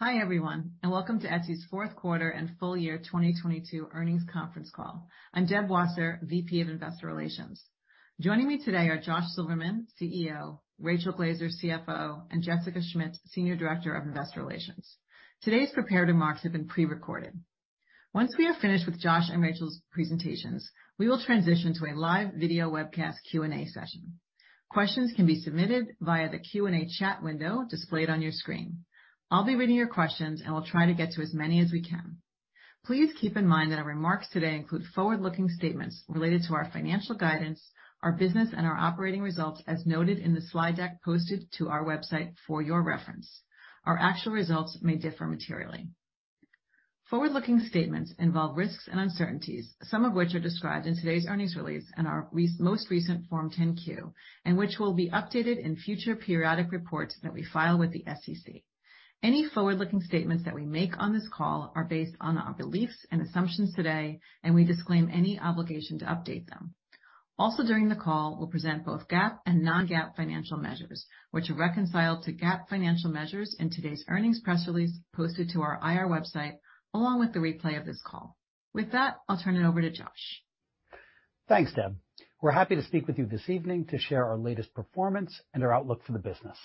Hi, everyone, welcome to Etsy's fourth quarter and full year 2022 earnings conference call. I'm Deb Wasser, VP of Investor Relations. Joining me today are Josh Silverman, CEO, Rachel Glaser, CFO, and Jessica Schmidt, Senior Director of Investor Relations. Today's prepared remarks have been pre-recorded. Once we are finished with Josh and Rachel's presentations, we will transition to a live video webcast Q&A session. Questions can be submitted via the Q&A chat window displayed on your screen. I'll be reading your questions, and we'll try to get to as many as we can. Please keep in mind that our remarks today include forward-looking statements related to our financial guidance, our business, and our operating results, as noted in the slide deck posted to our website for your reference. Our actual results may differ materially. Forward-looking statements involve risks and uncertainties, some of which are described in today's earnings release and our most recent Form 10-Q, which will be updated in future periodic reports that we file with the SEC. Any forward-looking statements that we make on this call are based on our beliefs and assumptions today, we disclaim any obligation to update them. During the call, we'll present both GAAP and non-GAAP financial measures, which are reconciled to GAAP financial measures in today's earnings press release posted to our IR website, along with the replay of this call. With that, I'll turn it over to Josh. Thanks, Deb. We're happy to speak with you this evening to share our latest performance and our outlook for the business.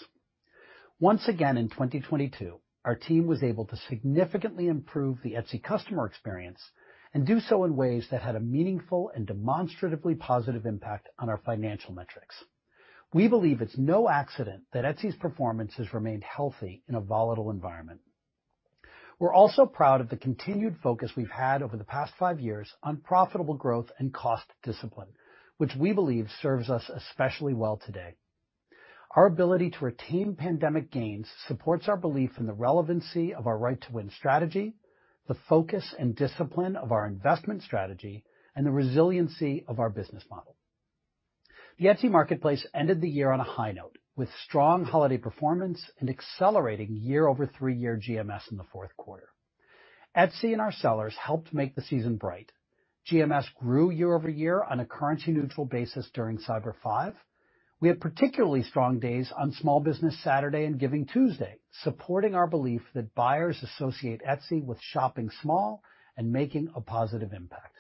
Once again, in 2022, our team was able to significantly improve the Etsy customer experience and do so in ways that had a meaningful and demonstratively positive impact on our financial metrics. We believe it's no accident that Etsy's performance has remained healthy in a volatile environment. We're also proud of the continued focus we've had over the past 5 years on profitable growth and cost discipline, which we believe serves us especially well today. Our ability to retain pandemic gains supports our belief in the relevancy of our right to win strategy, the focus and discipline of our investment strategy, and the resiliency of our business model. The Etsy marketplace ended the year on a high note, with strong holiday performance and accelerating year-over-three-year GMS in the fourth quarter. Etsy and our sellers helped make the season bright. GMS grew year over year on a currency neutral basis during Cyber Five. We had particularly strong days on Small Business Saturday and GivingTuesday, supporting our belief that buyers associate Etsy with shopping small and making a positive impact.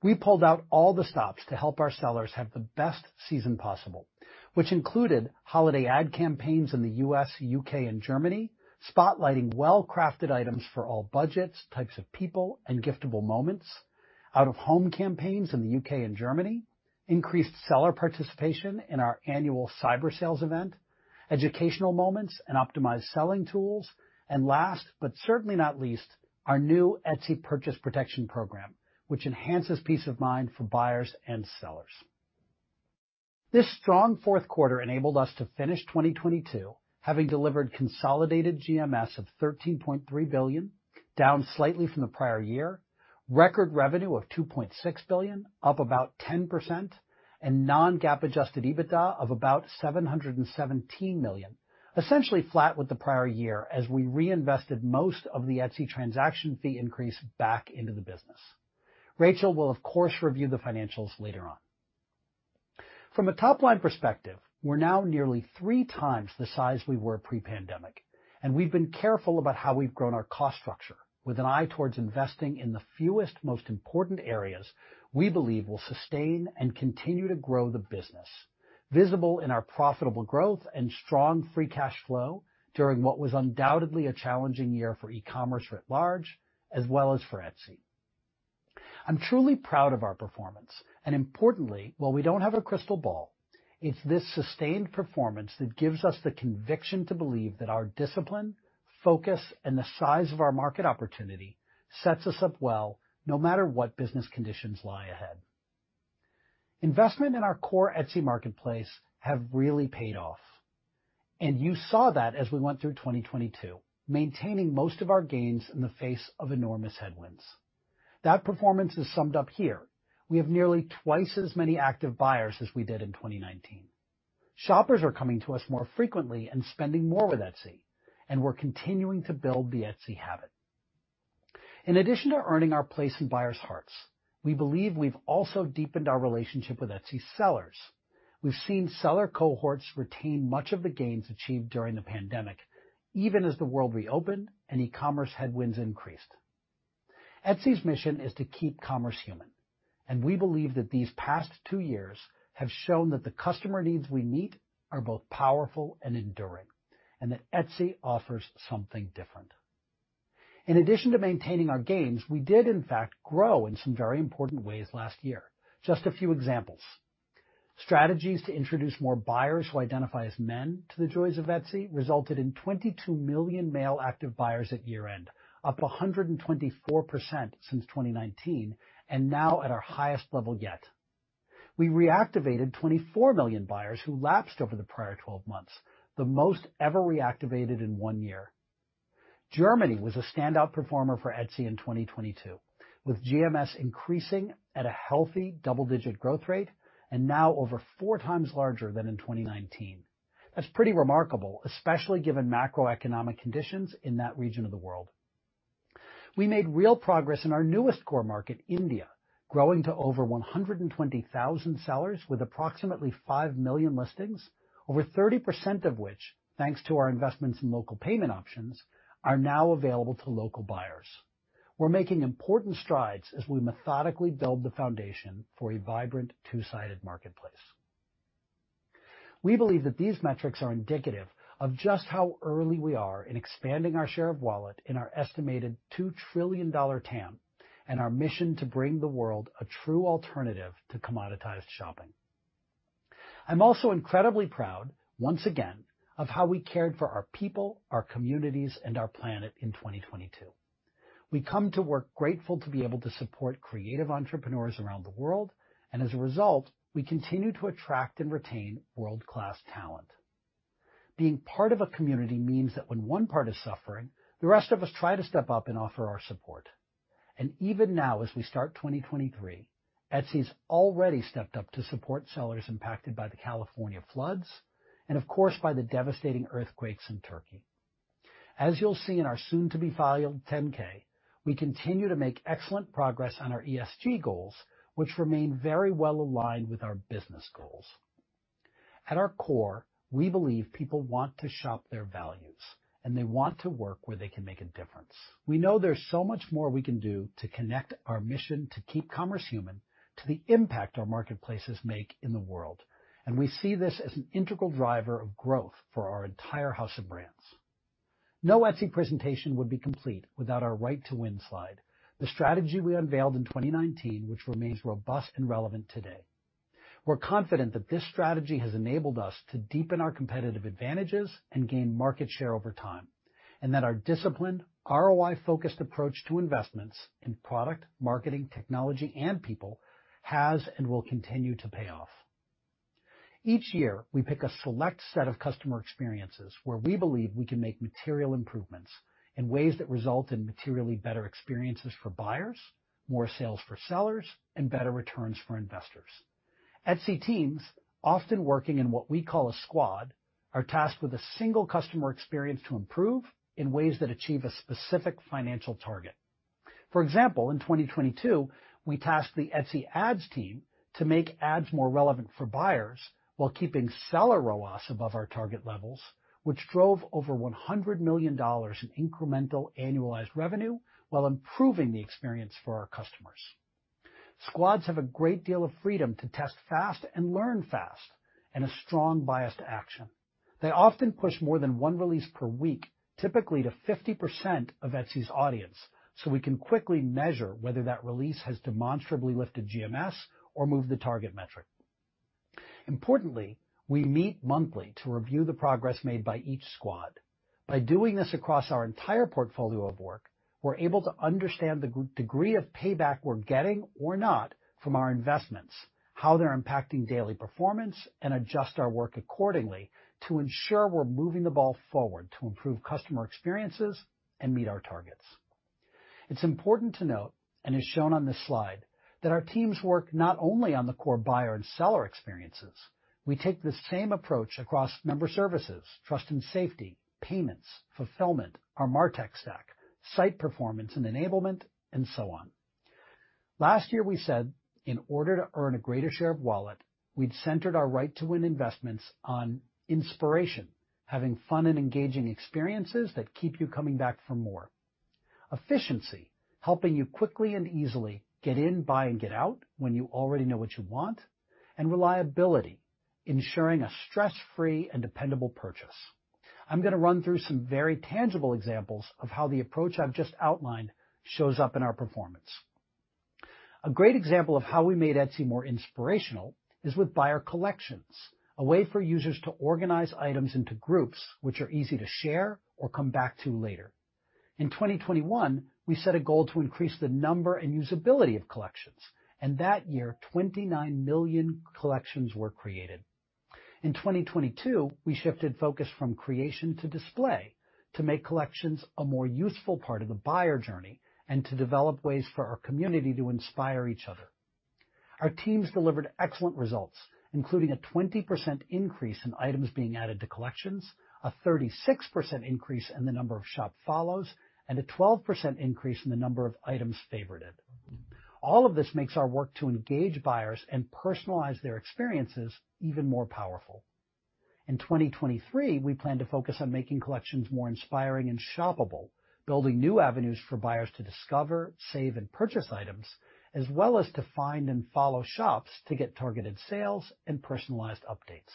We pulled out all the stops to help our sellers have the best season possible, which included holiday ad campaigns in the U.S., U.K., and Germany, spotlighting well-crafted items for all budgets, types of people, and giftable moments, out of home campaigns in the U.K. and Germany, increased seller participation in our annual cyber sales event, educational moments, and optimized selling tools. Last, but certainly not least, our new Etsy Purchase Protection Program, which enhances peace of mind for buyers and sellers. This strong fourth quarter enabled us to finish 2022 having delivered consolidated GMS of $13.3 billion, down slightly from the prior year, record revenue of $2.6 billion, up about 10%, and non-GAAP adjusted EBITDA of about $717 million, essentially flat with the prior year as we reinvested most of the Etsy transaction fee increase back into the business. Rachel will of course review the financials later on. From a top-line perspective, we're now nearly 3 times the size we were pre-pandemic, and we've been careful about how we've grown our cost structure with an eye towards investing in the fewest, most important areas we believe will sustain and continue to grow the business, visible in our profitable growth and strong free cash flow during what was undoubtedly a challenging year for e-commerce writ large, as well as for Etsy. I'm truly proud of our performance. Importantly, while we don't have a crystal ball, it's this sustained performance that gives us the conviction to believe that our discipline, focus, and the size of our market opportunity sets us up well, no matter what business conditions lie ahead. Investment in our core Etsy marketplace have really paid off, and you saw that as we went through 2022, maintaining most of our gains in the face of enormous headwinds. That performance is summed up here. We have nearly twice as many active buyers as we did in 2019. Shoppers are coming to us more frequently and spending more with Etsy, and we're continuing to build the Etsy habit. In addition to earning our place in buyers' hearts, we believe we've also deepened our relationship with Etsy sellers. We've seen seller cohorts retain much of the gains achieved during the pandemic, even as the world reopened and e-commerce headwinds increased. Etsy's mission is to keep commerce human, and we believe that these past two years have shown that the customer needs we meet are both powerful and enduring, and that Etsy offers something different. In addition to maintaining our gains, we did in fact grow in some very important ways last year. Just a few examples. Strategies to introduce more buyers who identify as men to the joys of Etsy resulted in 22 million male active buyers at year-end, up 124% since 2019, and now at our highest level yet. We reactivated 24 million buyers who lapsed over the prior 12 months, the most ever reactivated in 1 year. Germany was a standout performer for Etsy in 2022, with GMS increasing at a healthy double-digit growth rate and now over four times larger than in 2019. That's pretty remarkable, especially given macroeconomic conditions in that region of the world. We made real progress in our newest core market, India, growing to over 120,000 sellers with approximately 5 million listings, over 30% of which, thanks to our investments in local payment options, are now available to local buyers. We're making important strides as we methodically build the foundation for a vibrant two-sided marketplace. We believe that these metrics are indicative of just how early we are in expanding our share of wallet in our estimated $2 trillion TAM and our mission to bring the world a true alternative to commoditized shopping. I'm also incredibly proud, once again, of how we cared for our people, our communities, and our planet in 2022. We come to work grateful to be able to support creative entrepreneurs around the world. As a result, we continue to attract and retain world-class talent. Being part of a community means that when one part is suffering, the rest of us try to step up and offer our support. Even now, as we start 2023, Etsy's already stepped up to support sellers impacted by the California floods and, of course, by the devastating earthquakes in Turkey. As you'll see in our soon-to-be-filed 10-K, we continue to make excellent progress on our ESG goals, which remain very well aligned with our business goals. At our core, we believe people want to shop their values, and they want to work where they can make a difference. We know there's so much more we can do to connect our mission to keep commerce human to the impact our marketplaces make in the world, and we see this as an integral driver of growth for our entire house of brands. No Etsy presentation would be complete without our right to win slide, the strategy we unveiled in 2019, which remains robust and relevant today. We're confident that this strategy has enabled us to deepen our competitive advantages and gain market share over time, and that our disciplined ROI-focused approach to investments in product, marketing, technology, and people has and will continue to pay off. Each year, we pick a select set of customer experiences where we believe we can make material improvements in ways that result in materially better experiences for buyers, more sales for sellers, and better returns for investors. Etsy teams, often working in what we call a squad, are tasked with a single customer experience to improve in ways that achieve a specific financial target. For example, in 2022, we tasked the Etsy Ads team to make ads more relevant for buyers while keeping seller ROAS above our target levels, which drove over $100 million in incremental annualized revenue while improving the experience for our customers. Squads have a great deal of freedom to test fast and learn fast and a strong bias to action. They often push more than one release per week, typically to 50% of Etsy's audience, so we can quickly measure whether that release has demonstrably lifted GMS or moved the target metric. Importantly, we meet monthly to review the progress made by each squad. By doing this across our entire portfolio of work, we're able to understand the degree of payback we're getting or not from our investments, how they're impacting daily performance, and adjust our work accordingly to ensure we're moving the ball forward to improve customer experiences and meet our targets. It's important to note, as shown on this slide, that our teams work not only on the core buyer and seller experiences. We take the same approach across member services, trust and safety, payments, fulfillment, our MarTech stack, site performance and enablement, and so on. Last year, we said in order to earn a greater share of wallet, we'd centered our right to win investments on inspiration, having fun and engaging experiences that keep you coming back for more, efficiency, helping you quickly and easily get in, buy, and get out when you already know what you want, and reliability, ensuring a stress-free and dependable purchase. I'm going to run through some very tangible examples of how the approach I've just outlined shows up in our performance. A great example of how we made Etsy more inspirational is with buyer collections, a way for users to organize items into groups which are easy to share or come back to later. In 2021, we set a goal to increase the number and usability of collections. That year, 29 million collections were created. In 2022, we shifted focus from creation to display to make collections a more useful part of the buyer journey and to develop ways for our community to inspire each other. Our teams delivered excellent results, including a 20% increase in items being added to collections, a 36% increase in the number of shop follows, and a 12% increase in the number of items favorited. All of this makes our work to engage buyers and personalize their experiences even more powerful. In 2023, we plan to focus on making collections more inspiring and shoppable, building new avenues for buyers to discover, save, and purchase items, as well as to find and follow shops to get targeted sales and personalized updates.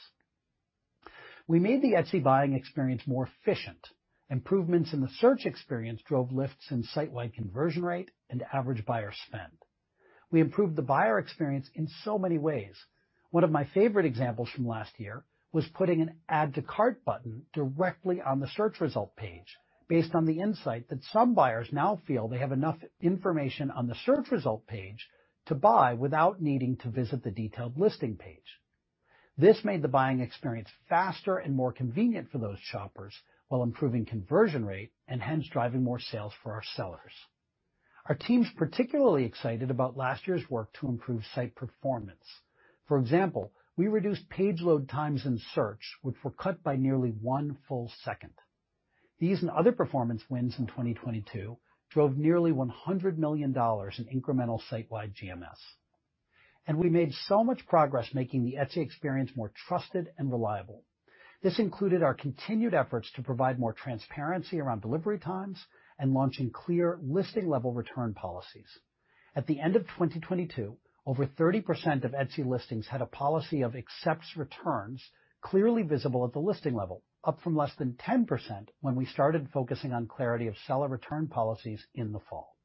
We made the Etsy buying experience more efficient. Improvements in the search experience drove lifts in site-wide conversion rate and average buyer spend. We improved the buyer experience in so many ways. One of my favorite examples from last year was putting an add to cart button directly on the search result page based on the insight that some buyers now feel they have enough information on the search result page to buy without needing to visit the detailed listing page. This made the buying experience faster and more convenient for those shoppers while improving conversion rate and hence driving more sales for our sellers. Our team's particularly excited about last year's work to improve site performance. For example, we reduced page load times in search, which were cut by nearly 1 full second. These and other performance wins in 2022 drove nearly $100 million in incremental site-wide GMS. We made so much progress making the Etsy experience more trusted and reliable. This included our continued efforts to provide more transparency around delivery times and launching clear listing-level return policies. At the end of 2022, over 30% of Etsy listings had a policy of accepts returns clearly visible at the listing level, up from less than 10% when we started focusing on clarity of seller return policies in the fall.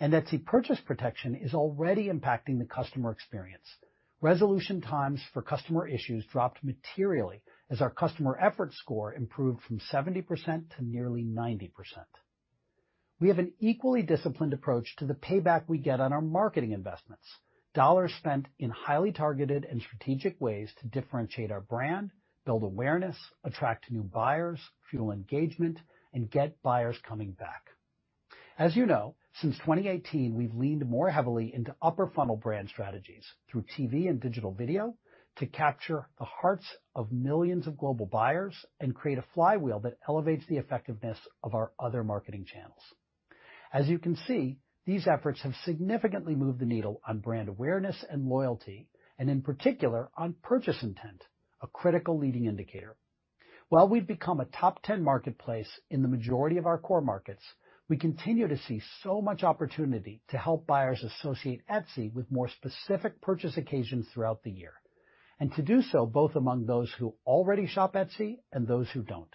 Etsy Purchase Protection is already impacting the customer experience. Resolution times for customer issues dropped materially as our customer effort score improved from 70% to nearly 90%. We have an equally disciplined approach to the payback we get on our marketing investments. Dollars spent in highly targeted and strategic ways to differentiate our brand, build awareness, attract new buyers, fuel engagement, and get buyers coming back. As you know, since 2018, we've leaned more heavily into upper funnel brand strategies through TV and digital video to capture the hearts of millions of global buyers and create a flywheel that elevates the effectiveness of our other marketing channels. As you can see, these efforts have significantly moved the needle on brand awareness and loyalty, and in particular, on purchase intent, a critical leading indicator. While we've become a top 10 marketplace in the majority of our core markets, we continue to see so much opportunity to help buyers associate Etsy with more specific purchase occasions throughout the year, and to do so both among those who already shop Etsy and those who don't.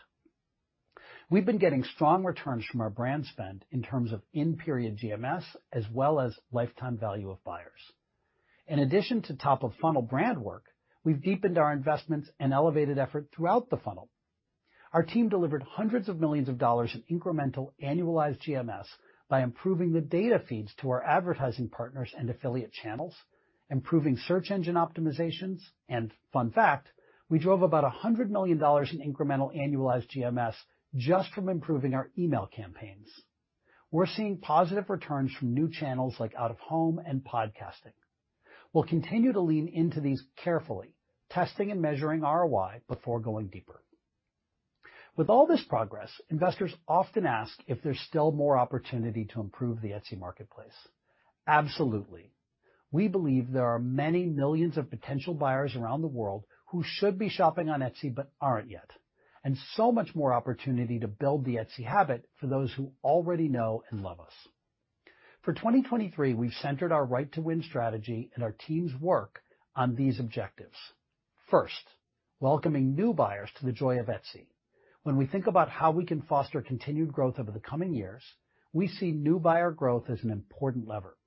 We've been getting strong returns from our brand spend in terms of in-period GMS as well as lifetime value of buyers. In addition to top-of-funnel brand work, we've deepened our investments and elevated effort throughout the funnel. Our team delivered hundreds of millions of dollars in incremental annualized GMS by improving the data feeds to our advertising partners and affiliate channels, improving search engine optimizations, and fun fact, we drove about $100 million in incremental annualized GMS just from improving our email campaigns. We're seeing positive returns from new channels like out-of-home and podcasting. We'll continue to lean into these carefully, testing and measuring ROI before going deeper. With all this progress, investors often ask if there's still more opportunity to improve the Etsy marketplace. Absolutely. We believe there are many millions of potential buyers around the world who should be shopping on Etsy but aren't yet, and so much more opportunity to build the Etsy habit for those who already know and love us. For 2023, we've centered our right to win strategy and our team's work on these objectives. First, welcoming new buyers to the joy of Etsy. When we think about how we can foster continued growth over the coming years, we see new buyer growth as an important lever.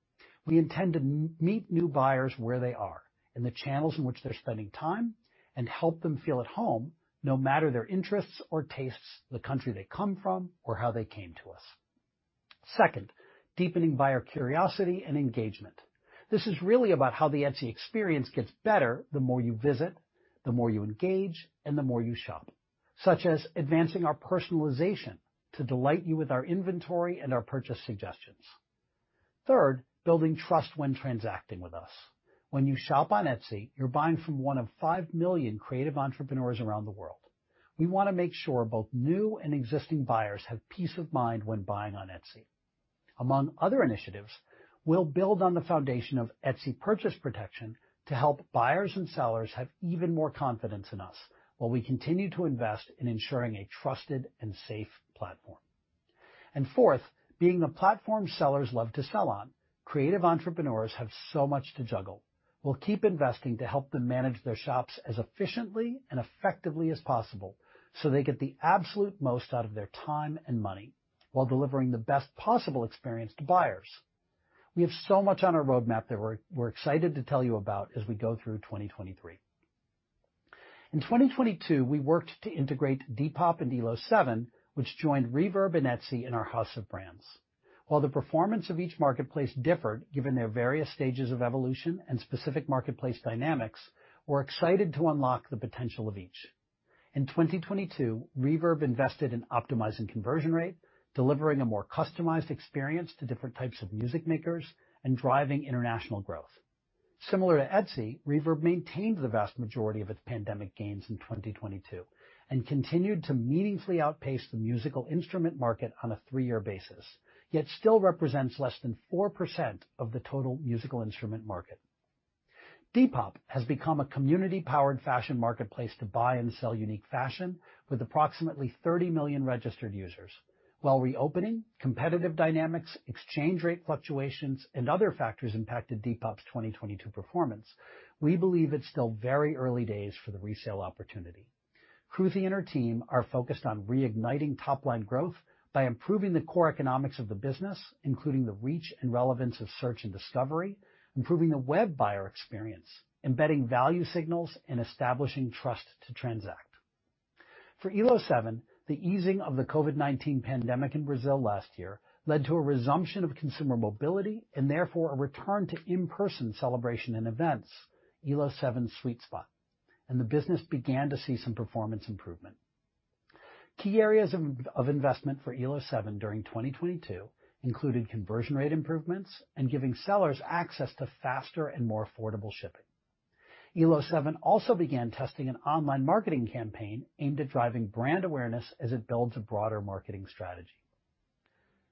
We intend to meet new buyers where they are, in the channels in which they're spending time, and help them feel at home, no matter their interests or tastes, the country they come from, or how they came to us. Second, deepening buyer curiosity and engagement. This is really about how the Etsy experience gets better the more you visit, the more you engage, and the more you shop, such as advancing our personalization to delight you with our inventory and our purchase suggestions. Third, building trust when transacting with us. When you shop on Etsy, you're buying from one of 5 million creative entrepreneurs around the world. We want to make sure both new and existing buyers have peace of mind when buying on Etsy. Among other initiatives, we'll build on the foundation of Etsy Purchase Protection to help buyers and sellers have even more confidence in us while we continue to invest in ensuring a trusted and safe platform. Fourth, being the platform sellers love to sell on. Creative entrepreneurs have so much to juggle. We'll keep investing to help them manage their shops as efficiently and effectively as possible, so they get the absolute most out of their time and money while delivering the best possible experience to buyers. We have so much on our roadmap that we're excited to tell you about as we go through 2023. In 2022, we worked to integrate Depop and Elo7, which joined Reverb and Etsy in our house of brands. While the performance of each marketplace differed given their various stages of evolution and specific marketplace dynamics, we're excited to unlock the potential of each. In 2022, Reverb invested in optimizing conversion rate, delivering a more customized experience to different types of music makers, and driving international growth. Similar to Etsy, Reverb maintained the vast majority of its pandemic gains in 2022 and continued to meaningfully outpace the musical instrument market on a three-year basis, yet still represents less than 4% of the total musical instrument market. Depop has become a community-powered fashion marketplace to buy and sell unique fashion with approximately 30 million registered users. While reopening, competitive dynamics, exchange rate fluctuations, and other factors impacted Depop's 2022 performance, we believe it's still very early days for the resale opportunity. Kruti and her team are focused on reigniting top-line growth by improving the core economics of the business, including the reach and relevance of search and discovery, improving the web buyer experience, embedding value signals, and establishing trust to transact. For Elo7, the easing of the COVID-19 pandemic in Brazil last year led to a resumption of consumer mobility and therefore a return to in-person celebration and events, Elo7's sweet spot. The business began to see some performance improvement. Key areas of investment for Elo7 during 2022 included conversion rate improvements and giving sellers access to faster and more affordable shipping. Elo7 also began testing an online marketing campaign aimed at driving brand awareness as it builds a broader marketing strategy.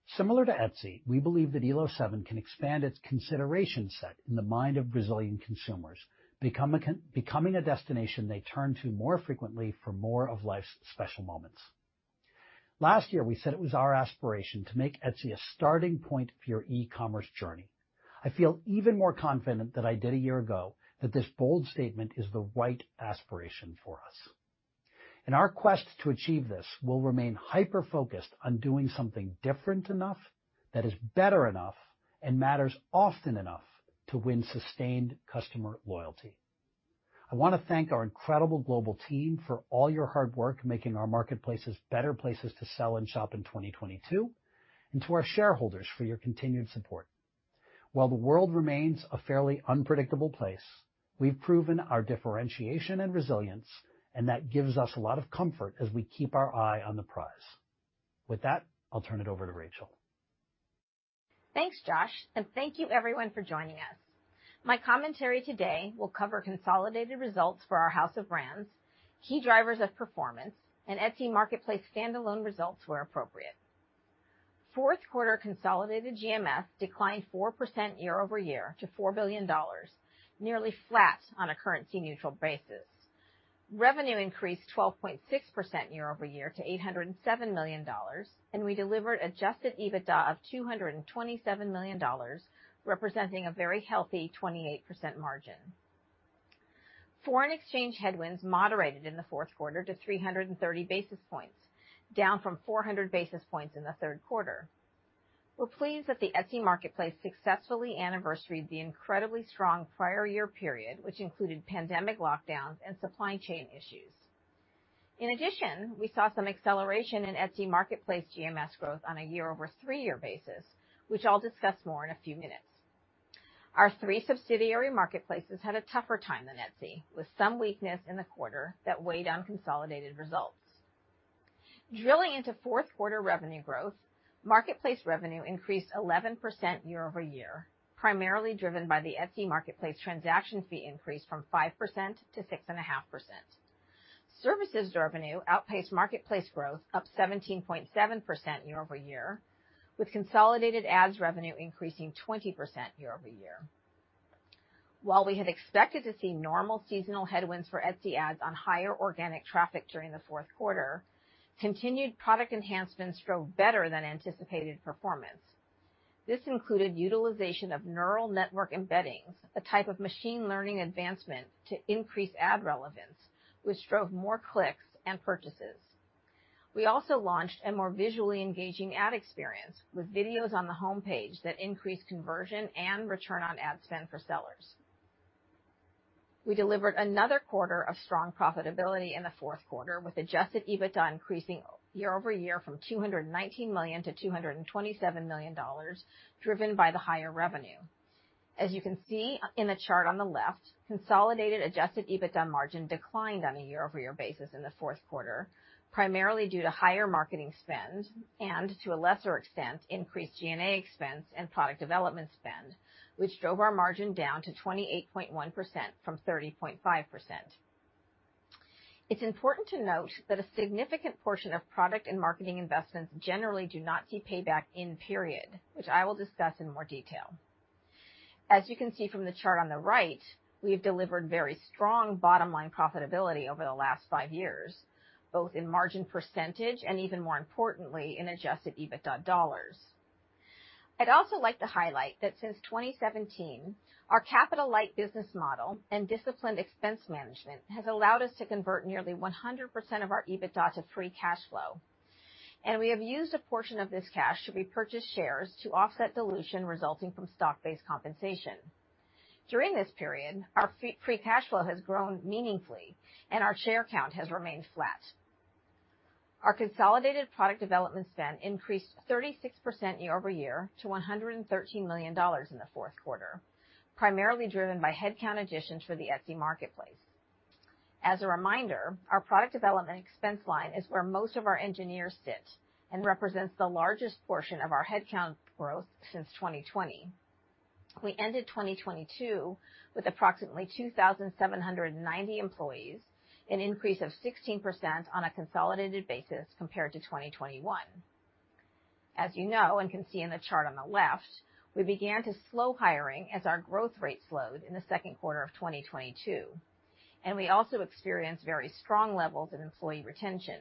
Similar to Etsy, we believe that Elo7 can expand its consideration set in the mind of Brazilian consumers, becoming a destination they turn to more frequently for more of life's special moments. Last year, we said it was our aspiration to make Etsy a starting point for your e-commerce journey. I feel even more confident than I did a year ago that this bold statement is the right aspiration for us. In our quest to achieve this, we'll remain hyper-focused on doing something different enough that is better enough and matters often enough to win sustained customer loyalty. I wanna thank our incredible global team for all your hard work making our marketplaces better places to sell and shop in 2022, and to our shareholders for your continued support. While the world remains a fairly unpredictable place, we've proven our differentiation and resilience, and that gives us a lot of comfort as we keep our eye on the prize. With that, I'll turn it over to Rachel. Thanks, Josh, and thank you everyone for joining us. My commentary today will cover consolidated results for our house of brands, key drivers of performance, and Etsy marketplace standalone results were appropriate. Fourth quarter consolidated GMS declined 4% year-over-year to $4 billion, nearly flat on a currency-neutral basis. Revenue increased 12.6% year-over-year to $807 million, and we delivered adjusted EBITDA of $227 million, representing a very healthy 28% margin. Foreign exchange headwinds moderated in the fourth quarter to 330 basis points, down from 400 basis points in the third quarter. We're pleased that the Etsy marketplace successfully anniversaried the incredibly strong prior year period, which included pandemic lockdowns and supply chain issues. We saw some acceleration in Etsy marketplace GMS growth on a year-over-3-year basis, which I'll discuss more in a few minutes. Our 3 subsidiary marketplaces had a tougher time than Etsy, with some weakness in the quarter that weighed on consolidated results. Drilling into fourth quarter revenue growth, marketplace revenue increased 11% year-over-year, primarily driven by the Etsy marketplace transactions fee increase from 5% to 6.5%. Services revenue outpaced marketplace growth up 17.7% year-over-year, with consolidated Ads revenue increasing 20% year-over-year. While we had expected to see normal seasonal headwinds for Etsy Ads on higher organic traffic during the fourth quarter, continued product enhancements drove better than anticipated performance. This included utilization of neural network embeddings, a type of machine learning advancement to increase ad relevance, which drove more clicks and purchases. We also launched a more visually engaging ad experience with videos on the homepage that increased conversion and return on ad spend for sellers. We delivered another quarter of strong profitability in the fourth quarter, with adjusted EBITDA increasing year-over-year from $219 million-$227 million, driven by the higher revenue. As you can see in the chart on the left, consolidated adjusted EBITDA margin declined on a year-over-year basis in the fourth quarter, primarily due to higher marketing spend and, to a lesser extent, increased G&A expense and product development spend, which drove our margin down to 28.1% from 30.5%. It's important to note that a significant portion of product and marketing investments generally do not see payback in period, which I will discuss in more detail. As you can see from the chart on the right, we have delivered very strong bottom line profitability over the last 5 years, both in margin % and even more importantly, in adjusted EBITDA dollars. I'd also like to highlight that since 2017, our capital-light business model and disciplined expense management has allowed us to convert nearly 100% of our EBITDA to free cash flow, and we have used a portion of this cash to repurchase shares to offset dilution resulting from stock-based compensation. During this period, our free cash flow has grown meaningfully, and our share count has remained flat. Our consolidated product development spend increased 36% year-over-year to $113 million in the fourth quarter, primarily driven by headcount additions for the Etsy marketplace. As a reminder, our product development expense line is where most of our engineers sit and represents the largest portion of our headcount growth since 2020. We ended 2022 with approximately 2,790 employees, an increase of 16% on a consolidated basis compared to 2021. As you know and can see in the chart on the left, we began to slow hiring as our growth rate slowed in the second quarter of 2022. We also experienced very strong levels of employee retention.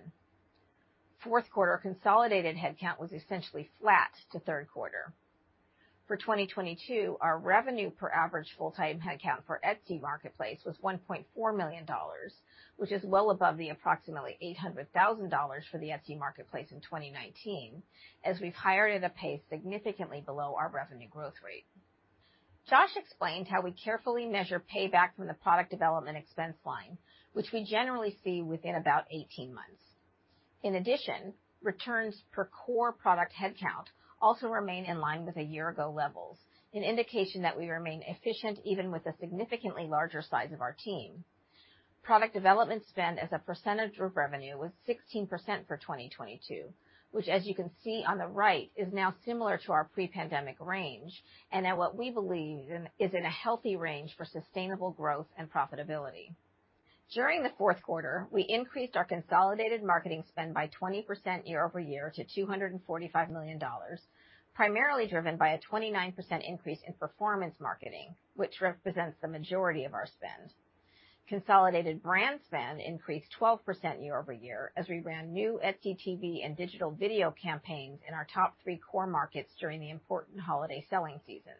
Fourth quarter consolidated headcount was essentially flat to third quarter. For 2022, our revenue per average full-time headcount for Etsy marketplace was $1.4 million, which is well above the approximately $800,000 for the Etsy marketplace in 2019, as we've hired at a pace significantly below our revenue growth rate. Josh explained how we carefully measure payback from the product development expense line, which we generally see within about 18 months. In addition, returns per core product headcount also remain in line with a year ago levels, an indication that we remain efficient even with the significantly larger size of our team. Product development spend as a percentage of revenue was 16% for 2022, which as you can see on the right, is now similar to our pre-pandemic range, and at what we believe in is in a healthy range for sustainable growth and profitability. During the fourth quarter, we increased our consolidated marketing spend by 20% year-over-year to $245 million, primarily driven by a 29% increase in performance marketing, which represents the majority of our spend. Consolidated brand spend increased 12% year-over-year as we ran new Etsy TV and digital video campaigns in our top 3 core markets during the important holiday selling season.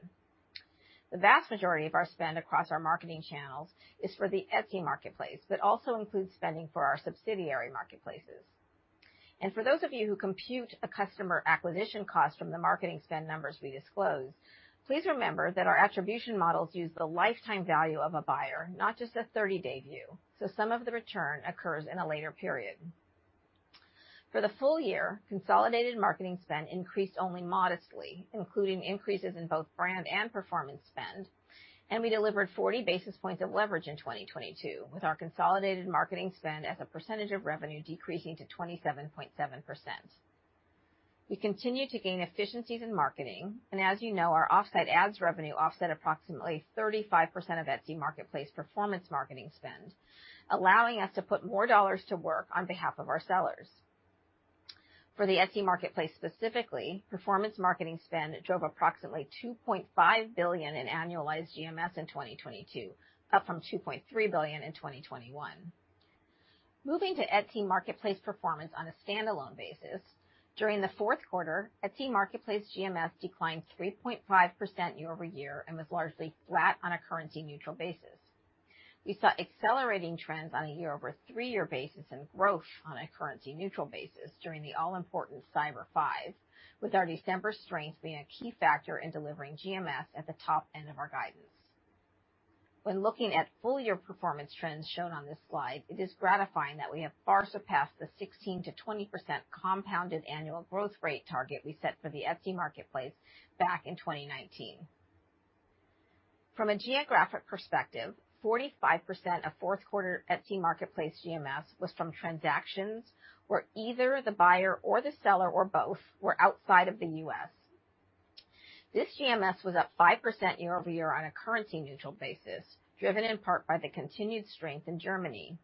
The vast majority of our spend across our marketing channels is for the Etsy marketplace, but also includes spending for our subsidiary marketplaces. For those of you who compute a customer acquisition cost from the marketing spend numbers we disclose, please remember that our attribution models use the lifetime value of a buyer, not just a 30-day view, so some of the return occurs in a later period. For the full year, consolidated marketing spend increased only modestly, including increases in both brand and performance spend. We delivered 40 basis points of leverage in 2022, with our consolidated marketing spend as a percentage of revenue decreasing to 27.7%. We continue to gain efficiencies in marketing, as you know, our Offsite Ads revenue offset approximately 35% of Etsy marketplace performance marketing spend, allowing us to put more dollars to work on behalf of our sellers. For the Etsy marketplace specifically, performance marketing spend drove approximately $2.5 billion in annualized GMS in 2022, up from $2.3 billion in 2021. Moving to Etsy marketplace performance on a standalone basis, during the fourth quarter, Etsy marketplace GMS declined 3.5% year-over-year and was largely flat on a currency neutral basis. We saw accelerating trends on a year-over-3-year basis and growth on a currency neutral basis during the all-important Cyber Five, with our December strength being a key factor in delivering GMS at the top end of our guidance. When looking at full year performance trends shown on this slide, it is gratifying that we have far surpassed the 16%-20% compounded annual growth rate target we set for the Etsy marketplace back in 2019. From a geographic perspective, 45% of fourth quarter Etsy marketplace GMS was from transactions where either the buyer or the seller or both were outside of the U.S. This GMS was up 5% year-over-year on a currency neutral basis, driven in part by the continued strength in Germany.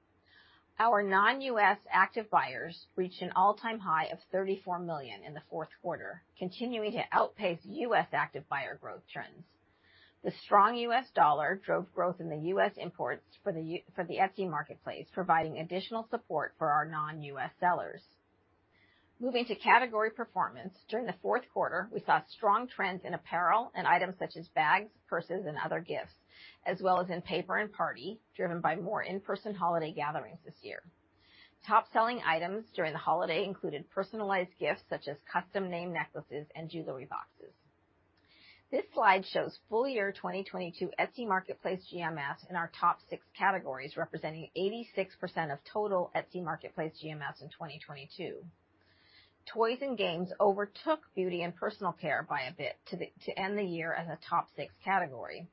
Our non-U.S. active buyers reached an all-time high of 34 million in the fourth quarter, continuing to outpace U.S. active buyer growth trends. The strong U.S. dollar drove growth in the U.S. Imports for the Etsy marketplace, providing additional support for our non-U.S. sellers. Moving to category performance, during the fourth quarter, we saw strong trends in apparel and items such as bags, purses and other gifts, as well as in paper and party, driven by more in-person holiday gatherings this year. Top-selling items during the holiday included personalized gifts such as custom name necklaces and jewelry boxes. This slide shows full year 2022 Etsy marketplace GMS in our top 6 categories, representing 86% of total Etsy marketplace GMS in 2022. Toys and games overtook beauty and personal care by a bit to end the year as a top 6 category.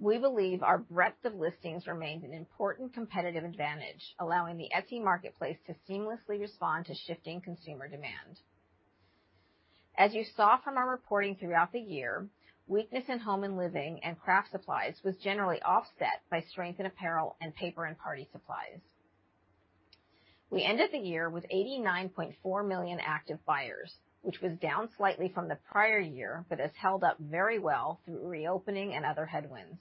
We believe our breadth of listings remains an important competitive advantage, allowing the Etsy marketplace to seamlessly respond to shifting consumer demand. As you saw from our reporting throughout the year, weakness in home and living and craft supplies was generally offset by strength in apparel and paper and party supplies. We ended the year with 89.4 million active buyers, which was down slightly from the prior year, but has held up very well through reopening and other headwinds.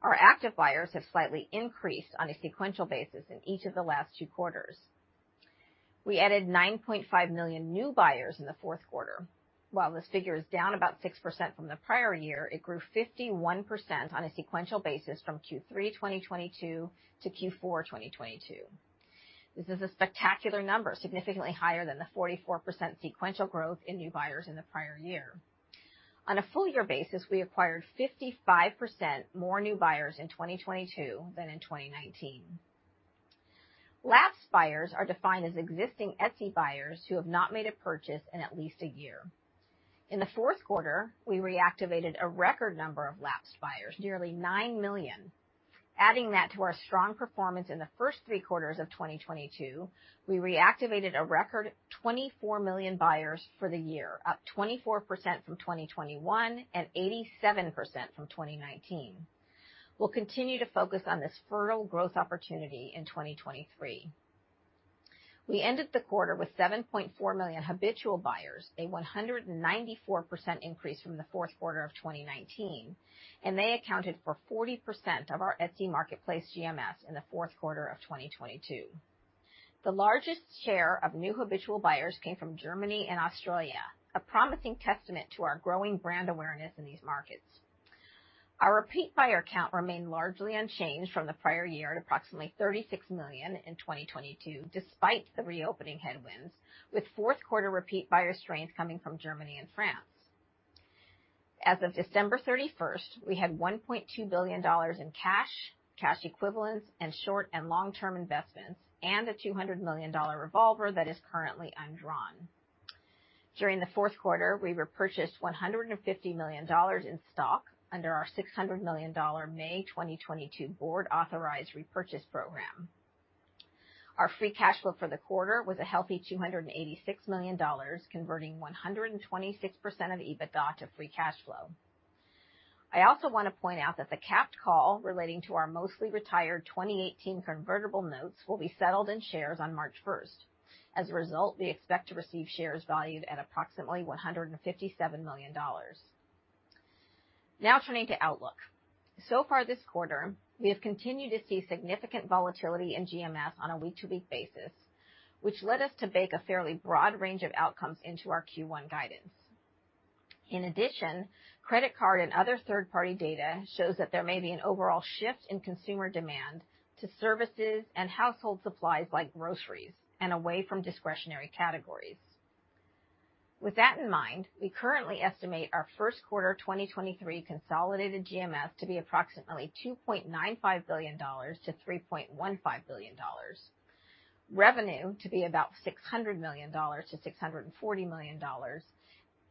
Our active buyers have slightly increased on a sequential basis in each of the last two quarters. We added 9.5 million new buyers in the fourth quarter. While this figure is down about 6% from the prior year, it grew 51% on a sequential basis from Q3 2022 to Q4 2022. This is a spectacular number, significantly higher than the 44% sequential growth in new buyers in the prior year. On a full year basis, we acquired 55% more new buyers in 2022 than in 2019. Lapsed buyers are defined as existing Etsy buyers who have not made a purchase in at least a year. In the fourth quarter, we reactivated a record number of lapsed buyers, nearly 9 million. Adding that to our strong performance in the first three quarters of 2022, we reactivated a record 24 million buyers for the year, up 24% from 2021 and 87% from 2019. We'll continue to focus on this fertile growth opportunity in 2023. We ended the quarter with 7.4 million habitual buyers, a 194% increase from the fourth quarter of 2019. They accounted for 40% of our Etsy marketplace GMS in the fourth quarter of 2022. The largest share of new habitual buyers came from Germany and Australia, a promising testament to our growing brand awareness in these markets. Our repeat buyer count remained largely unchanged from the prior year at approximately 36 million in 2022, despite the reopening headwinds, with fourth quarter repeat buyer strength coming from Germany and France. As of December 31st, we had $1.2 billion in cash equivalents, and short and long-term investments, and a $200 million revolver that is currently undrawn. During the fourth quarter, we repurchased $150 million in stock under our $600 million May 2022 board authorized repurchase program. Our free cash flow for the quarter was a healthy $286 million, converting 126% of EBITDA to free cash flow. I also want to point out that the capped call relating to our mostly retired 2018 convertible notes will be settled in shares on March 1st. We expect to receive shares valued at approximately $157 million. Turning to outlook. Far this quarter, we have continued to see significant volatility in GMS on a week-to-week basis, which led us to bake a fairly broad range of outcomes into our Q1 guidance. In addition, credit card and other third-party data shows that there may be an overall shift in consumer demand to services and household supplies like groceries and away from discretionary categories. With that in mind, we currently estimate our first quarter 2023 consolidated GMS to be approximately $2.95 billion-$3.15 billion, revenue to be about $600 million-$640 million,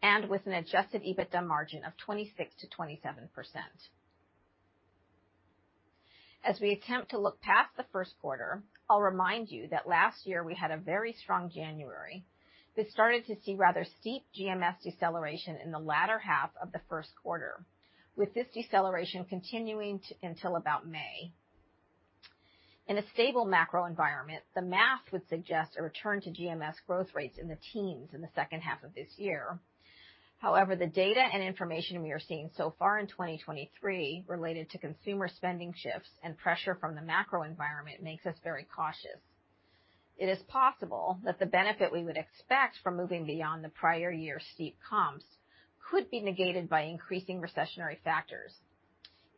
and with an adjusted EBITDA margin of 26%-27%. As we attempt to look past the first quarter, I'll remind you that last year we had a very strong January, but started to see rather steep GMS deceleration in the latter half of the first quarter, with this deceleration continuing until about May. In a stable macro environment, the math would suggest a return to GMS growth rates in the teens in the second half of this year. However, the data and information we are seeing so far in 2023 related to consumer spending shifts and pressure from the macro environment makes us very cautious. It is possible that the benefit we would expect from moving beyond the prior year's steep comps could be negated by increasing recessionary factors.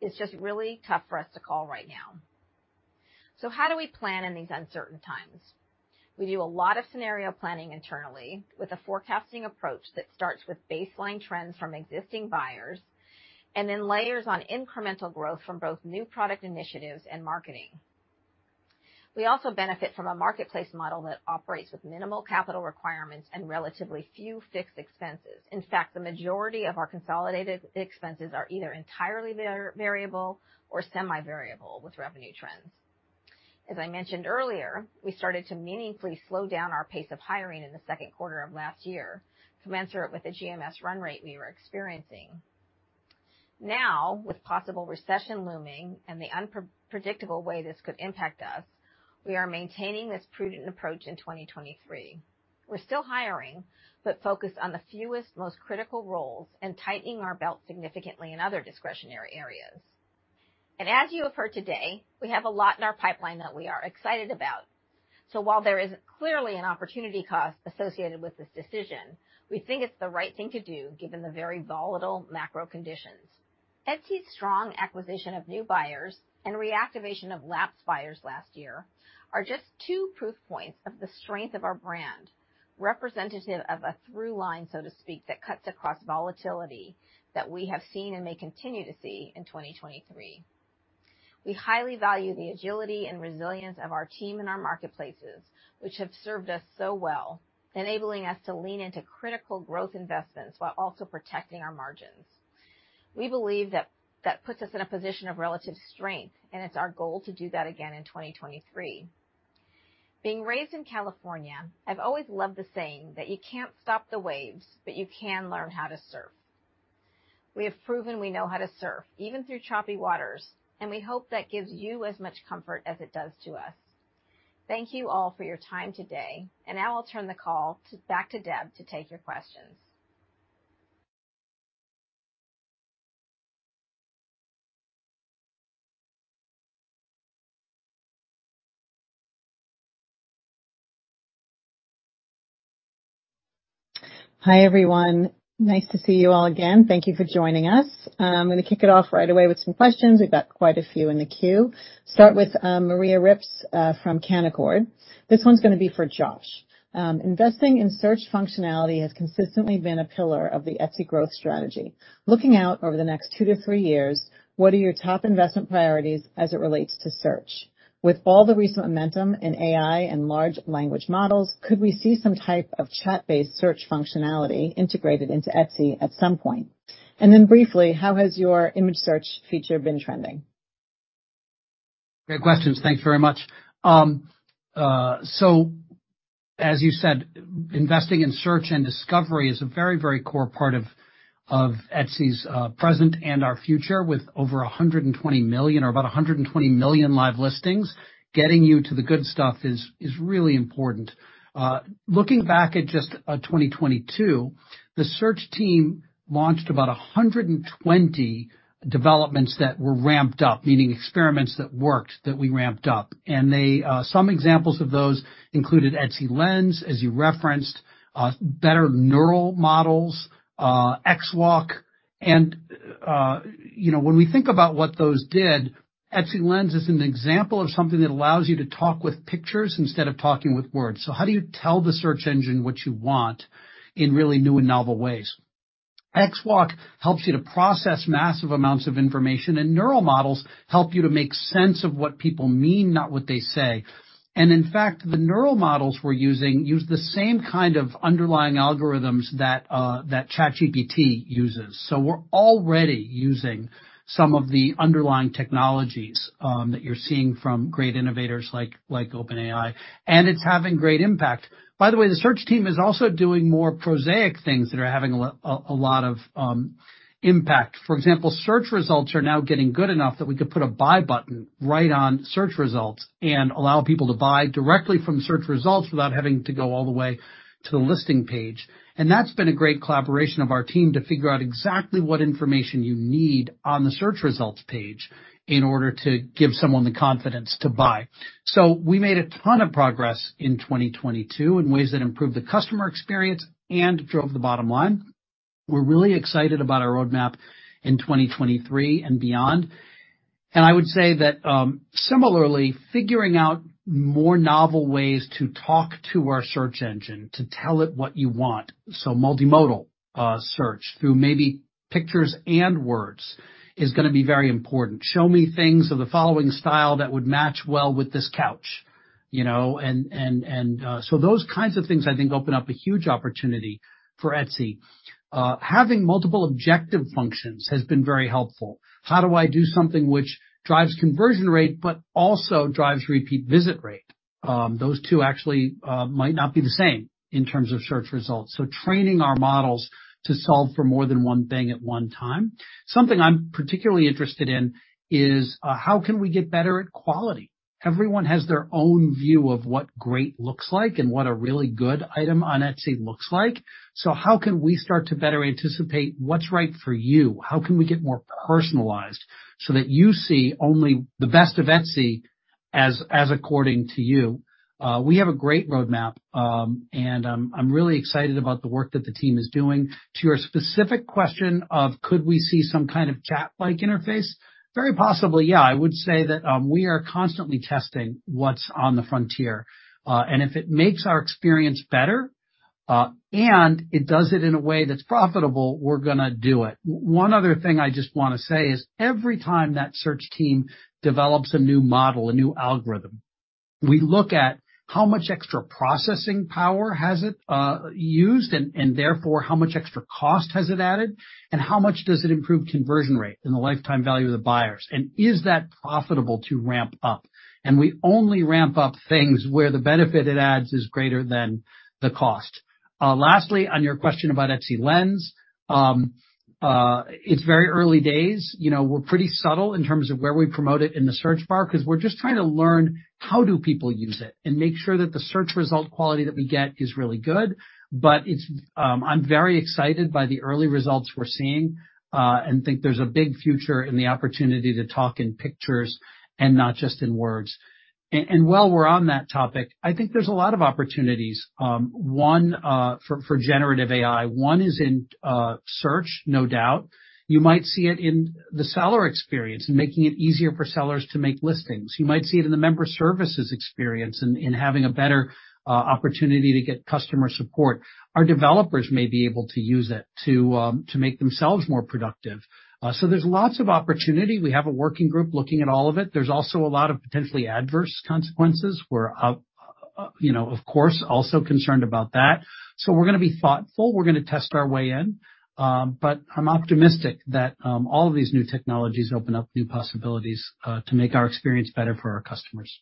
It's just really tough for us to call right now. How do we plan in these uncertain times? We do a lot of scenario planning internally with a forecasting approach that starts with baseline trends from existing buyers and then layers on incremental growth from both new product initiatives and marketing. We also benefit from a marketplace model that operates with minimal capital requirements and relatively few fixed expenses. In fact, the majority of our consolidated expenses are either entirely variable or semi-variable with revenue trends. As I mentioned earlier, we started to meaningfully slow down our pace of hiring in the second quarter of last year to answer it with the GMS run rate we were experiencing. With possible recession looming and the unpredictable way this could impact us, we are maintaining this prudent approach in 2023. We're still hiring, but focused on the fewest most critical roles and tightening our belt significantly in other discretionary areas. As you have heard today, we have a lot in our pipeline that we are excited about. While there is clearly an opportunity cost associated with this decision, we think it's the right thing to do given the very volatile macro conditions. Etsy's strong acquisition of new buyers and reactivation of lapsed buyers last year are just two proof points of the strength of our brand, representative of a through line, so to speak, that cuts across volatility that we have seen and may continue to see in 2023. We highly value the agility and resilience of our team and our marketplaces, which have served us so well, enabling us to lean into critical growth investments while also protecting our margins. We believe that puts us in a position of relative strength. It's our goal to do that again in 2023. Being raised in California, I've always loved the saying that you can't stop the waves, but you can learn how to surf. We have proven we know how to surf even through choppy waters, and we hope that gives you as much comfort as it does to us. Thank you all for your time today. Now I'll turn the call back to Deb to take your questions. Hi, everyone. Nice to see you all again. Thank you for joining us. I'm going to kick it off right away with some questions. We've got quite a few in the queue. Start with Maria Ripps from Canaccord. This one's gonna be for Josh. Investing in search functionality has consistently been a pillar of the Etsy growth strategy. Looking out over the next 2 to 3 years, what are your top investment priorities as it relates to search? With all the recent momentum in AI and large language models, could we see some type of chat-based search functionality integrated into Etsy at some point? Briefly, how has your image search feature been trending? Great questions. Thank you very much. As you said, investing in search and discovery is a very, very core part of Etsy's present and our future. With over 120 million, or about 120 million live listings, getting you to the good stuff is really important. Looking back at just 2022, the search team launched about 120 developments that were ramped up, meaning experiments that worked that we ramped up. They, some examples of those included Etsy Lens, as you referenced, better neural models, XWalk. You know, when we think about what those did, Etsy Lens is an example of something that allows you to talk with pictures instead of talking with words. How do you tell the search engine what you want in really new and novel ways? XWalk helps you to process massive amounts of information, and neural models help you to make sense of what people mean, not what they say. In fact, the neural models we're using use the same kind of underlying algorithms that ChatGPT uses. We're already using some of the underlying technologies that you're seeing from great innovators like OpenAI, and it's having great impact. By the way, the search team is also doing more prosaic things that are having a lot of impact. For example, search results are now getting good enough that we could put a buy button right on search results and allow people to buy directly from search results without having to go all the way to the listing page. That's been a great collaboration of our team to figure out exactly what information you need on the search results page in order to give someone the confidence to buy. We made a ton of progress in 2022 in ways that improved the customer experience and drove the bottom line. We're really excited about our roadmap in 2023 and beyond, and I would say that, similarly, figuring out more novel ways to talk to our search engine, to tell it what you want, so multimodal search through maybe pictures and words is gonna be very important. Show me things of the following style that would match well with this couch. You know, those kinds of things I think open up a huge opportunity for Etsy. Having multiple objective functions has been very helpful. How do I do something which drives conversion rate but also drives repeat visit rate? Those two actually might not be the same in terms of search results. Training our models to solve for more than one thing at one time. Something I'm particularly interested in is how can we get better at quality? Everyone has their own view of what great looks like and what a really good item on Etsy looks like. How can we start to better anticipate what's right for you? How can we get more personalized so that you see only the best of Etsy as according to you? We have a great roadmap, and I'm really excited about the work that the team is doing. To your specific question of could we see some kind of chat-like interface? Very possibly, yeah. I would say that we are constantly testing what's on the frontier, and if it makes our experience better, and it does it in a way that's profitable, we're gonna do it. One other thing I just wanna say is every time that search team develops a new model, a new algorithm, we look at how much extra processing power has it used, and therefore, how much extra cost has it added, and how much does it improve conversion rate and the lifetime value of the buyers, and is that profitable to ramp up? We only ramp up things where the benefit it adds is greater than the cost. Lastly, on your question about Etsy Lens, it's very early days. You know, we're pretty subtle in terms of where we promote it in the search bar, 'cause we're just trying to learn how do people use it and make sure that the search result quality that we get is really good. I'm very excited by the early results we're seeing and think there's a big future in the opportunity to talk in pictures and not just in words. While we're on that topic, I think there's a lot of opportunities, one for generative AI. One is in search, no doubt. You might see it in the seller experience in making it easier for sellers to make listings. You might see it in the member services experience in having a better opportunity to get customer support. Our developers may be able to use it to make themselves more productive. There's lots of opportunity. We have a working group looking at all of it. There's also a lot of potentially adverse consequences. We're, you know, of course, also concerned about that. We're gonna be thoughtful. We're gonna test our way in, but I'm optimistic that all of these new technologies open up new possibilities to make our experience better for our customers.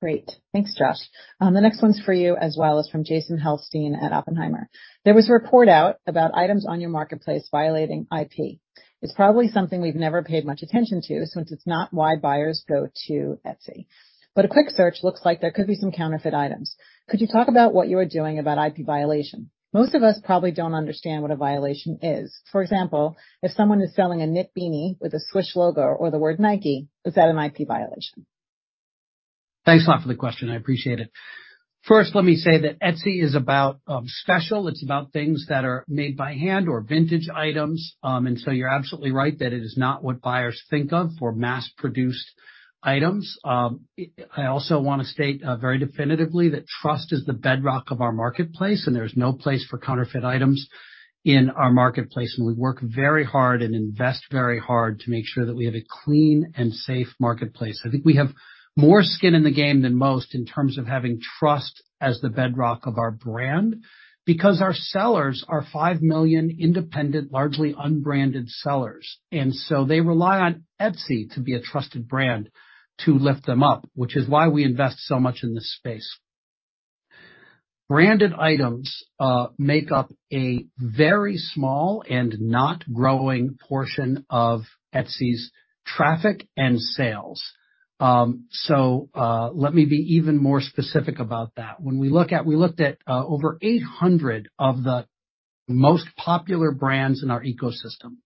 Great. Thanks, Josh. The next one's for you as well. It's from Jason Helfstein at Oppenheimer. There was a report out about items on your marketplace violating IP. It's probably something we've never paid much attention to since it's not why buyers go to Etsy. A quick search looks like there could be some counterfeit items. Could you talk about what you are doing about IP violation? Most of us probably don't understand what a violation is. For example, if someone is selling a knit beanie with a swoosh logo or the word Nike, is that an IP violation? Thanks a lot for the question. I appreciate it. First, let me say that Etsy is about special. It's about things that are made by hand or vintage items. You're absolutely right that it is not what buyers think of for mass-produced items. I also wanna state very definitively that trust is the bedrock of our marketplace, and there's no place for counterfeit items in our marketplace, and we work very hard and invest very hard to make sure that we have a clean and safe marketplace. I think we have more skin in the game than most in terms of having trust as the bedrock of our brand because our sellers are 5 million independent, largely unbranded sellers. They rely on Etsy to be a trusted brand to lift them up, which is why we invest so much in this space. Branded items make up a very small and not growing portion of Etsy's traffic and sales. Let me be even more specific about that. When we looked at 800 of the most popular brands in our ecosystem,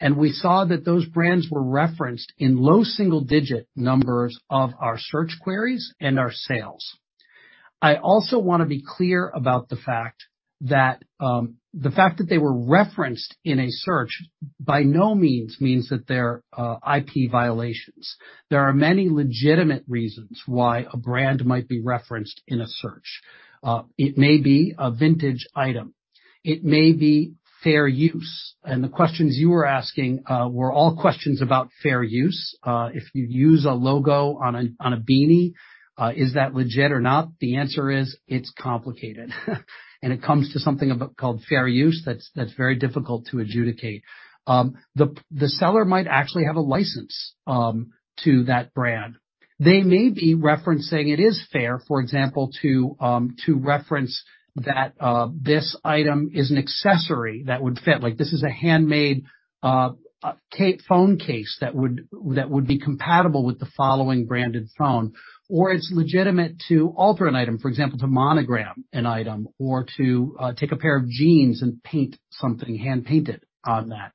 and we saw that those brands were referenced in low single-digit numbers of our search queries and our sales. I also wanna be clear about the fact that the fact that they were referenced in a search by no means means that they're IP violations. There are many legitimate reasons why a brand might be referenced in a search. It may be a vintage item, it may be fair use. The questions you were asking were all questions about fair use. If you use a logo on a beanie, is that legit or not? The answer is it's complicated. It comes to something called fair use that's very difficult to adjudicate. The seller might actually have a license to that brand. They may be referencing it is fair, for example, to reference that this item is an accessory that would fit. Like this is a handmade phone case that would be compatible with the following branded phone. It's legitimate to alter an item. For example, to monogram an item or to take a pair of jeans and paint something hand-painted on that.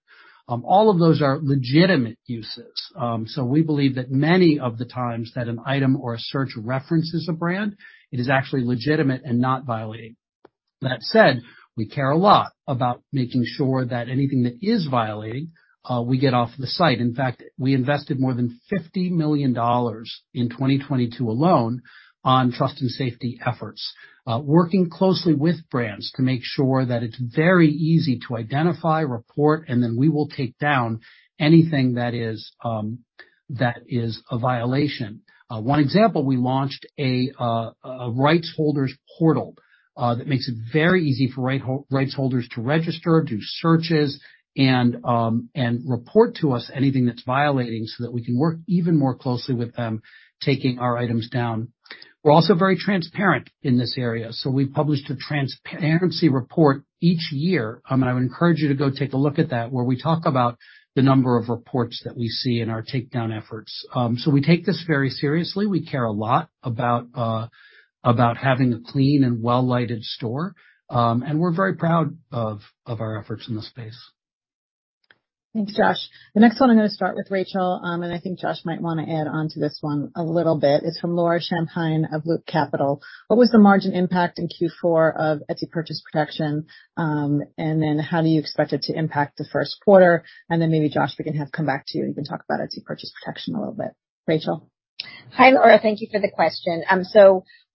All of those are legitimate uses. We believe that many of the times that an item or a search references a brand, it is actually legitimate and not violating. That said, we care a lot about making sure that anything that is violating, we get off the site. In fact, we invested more than $50 million in 2022 alone on trust and safety efforts, working closely with brands to make sure that it's very easy to identify, report, and then we will take down anything that is a violation. One example, we launched a rights holders portal that makes it very easy for rights holders to register, do searches, and report to us anything that's violating so that we can work even more closely with them, taking our items down. We're also very transparent in this area, so we've published a transparency report each year. I would encourage you to go take a look at that, where we talk about the number of reports that we see in our takedown efforts. We take this very seriously. We care a lot about having a clean and well-lighted store. We're very proud of our efforts in this space. Thanks, Josh. The next one I'm gonna start with Rachel, I think Josh might wanna add on to this one a little bit. It's from Laura Champine of Loop Capital. What was the margin impact in Q4 of Etsy Purchase Protection? How do you expect it to impact the first quarter? Maybe Josh, we can have come back to you. You can talk about Etsy Purchase Protection a little bit. Rachel? Hi, Laura. Thank you for the question.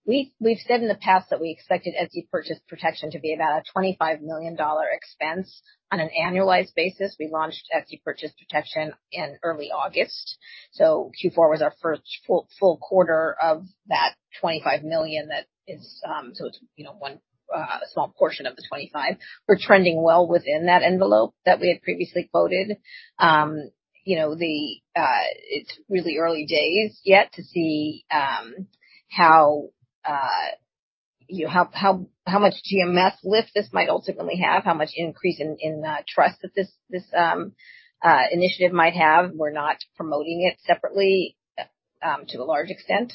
We've said in the past that we expected Etsy Purchase Protection to be about a $25 million expense on an annualized basis. We launched Etsy Purchase Protection in early August. Q4 was our first full quarter of that $25 million. That is, it's, you know, one small portion of the 25. We're trending well within that envelope that we had previously quoted. You know, it's really early days yet to see how much GMS lift this might ultimately have, how much increase in trust that this initiative might have. We're not promoting it separately to a large extent.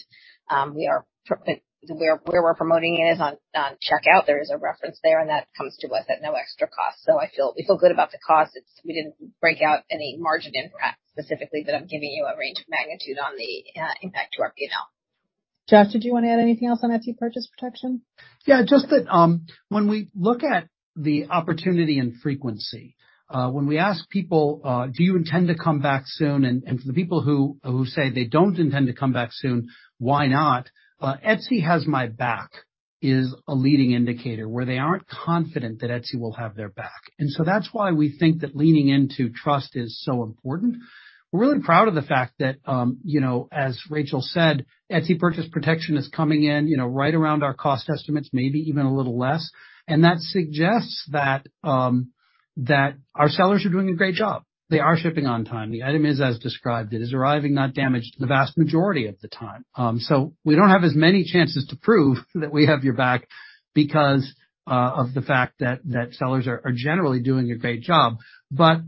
We are Where we're promoting it is on checkout. There is a reference there, and that comes to us at no extra cost. We feel good about the cost. We didn't break out any margin impact specifically, but I'm giving you a range of magnitude on the impact to our P&L. Josh, did you wanna add anything else on Etsy Purchase Protection? Yeah, just that, when we look at the opportunity and frequency, when we ask people, "Do you intend to come back soon?" And for the people who say they don't intend to come back soon, why not? Etsy has my back is a leading indicator where they aren't confident that Etsy will have their back. That's why we think that leaning into trust is so important. We're really proud of the fact that, you know, as Rachel said, Etsy Purchase Protection is coming in, you know, right around our cost estimates, maybe even a little less. That suggests that our sellers are doing a great job. They are shipping on time. The item is as described. It is arriving not damaged the vast majority of the time. We don't have as many chances to prove that we have your back because of the fact that sellers are generally doing a great job. The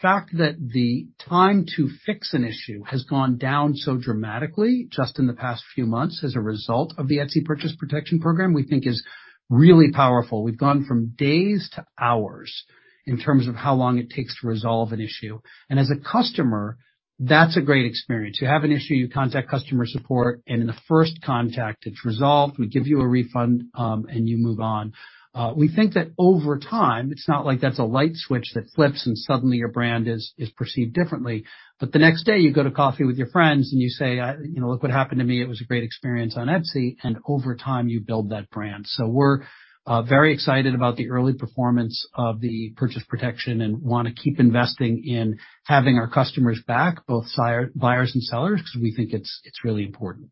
fact that the time to fix an issue has gone down so dramatically just in the past few months as a result of the Etsy Purchase Protection Program, we think is really powerful. We've gone from days to hours in terms of how long it takes to resolve an issue. As a customer, that's a great experience. You have an issue, you contact customer support, and in the first contact it's resolved. We give you a refund, and you move on. We think that over time, it's not like that's a light switch that flips and suddenly your brand is perceived differently. The next day, you go to coffee with your friends and you say, you know, "Look what happened to me. It was a great experience on Etsy." Over time, you build that brand. We're very excited about the early performance of the Purchase Protection and wanna keep investing in having our customers' back, both buyers and sellers, because we think it's really important.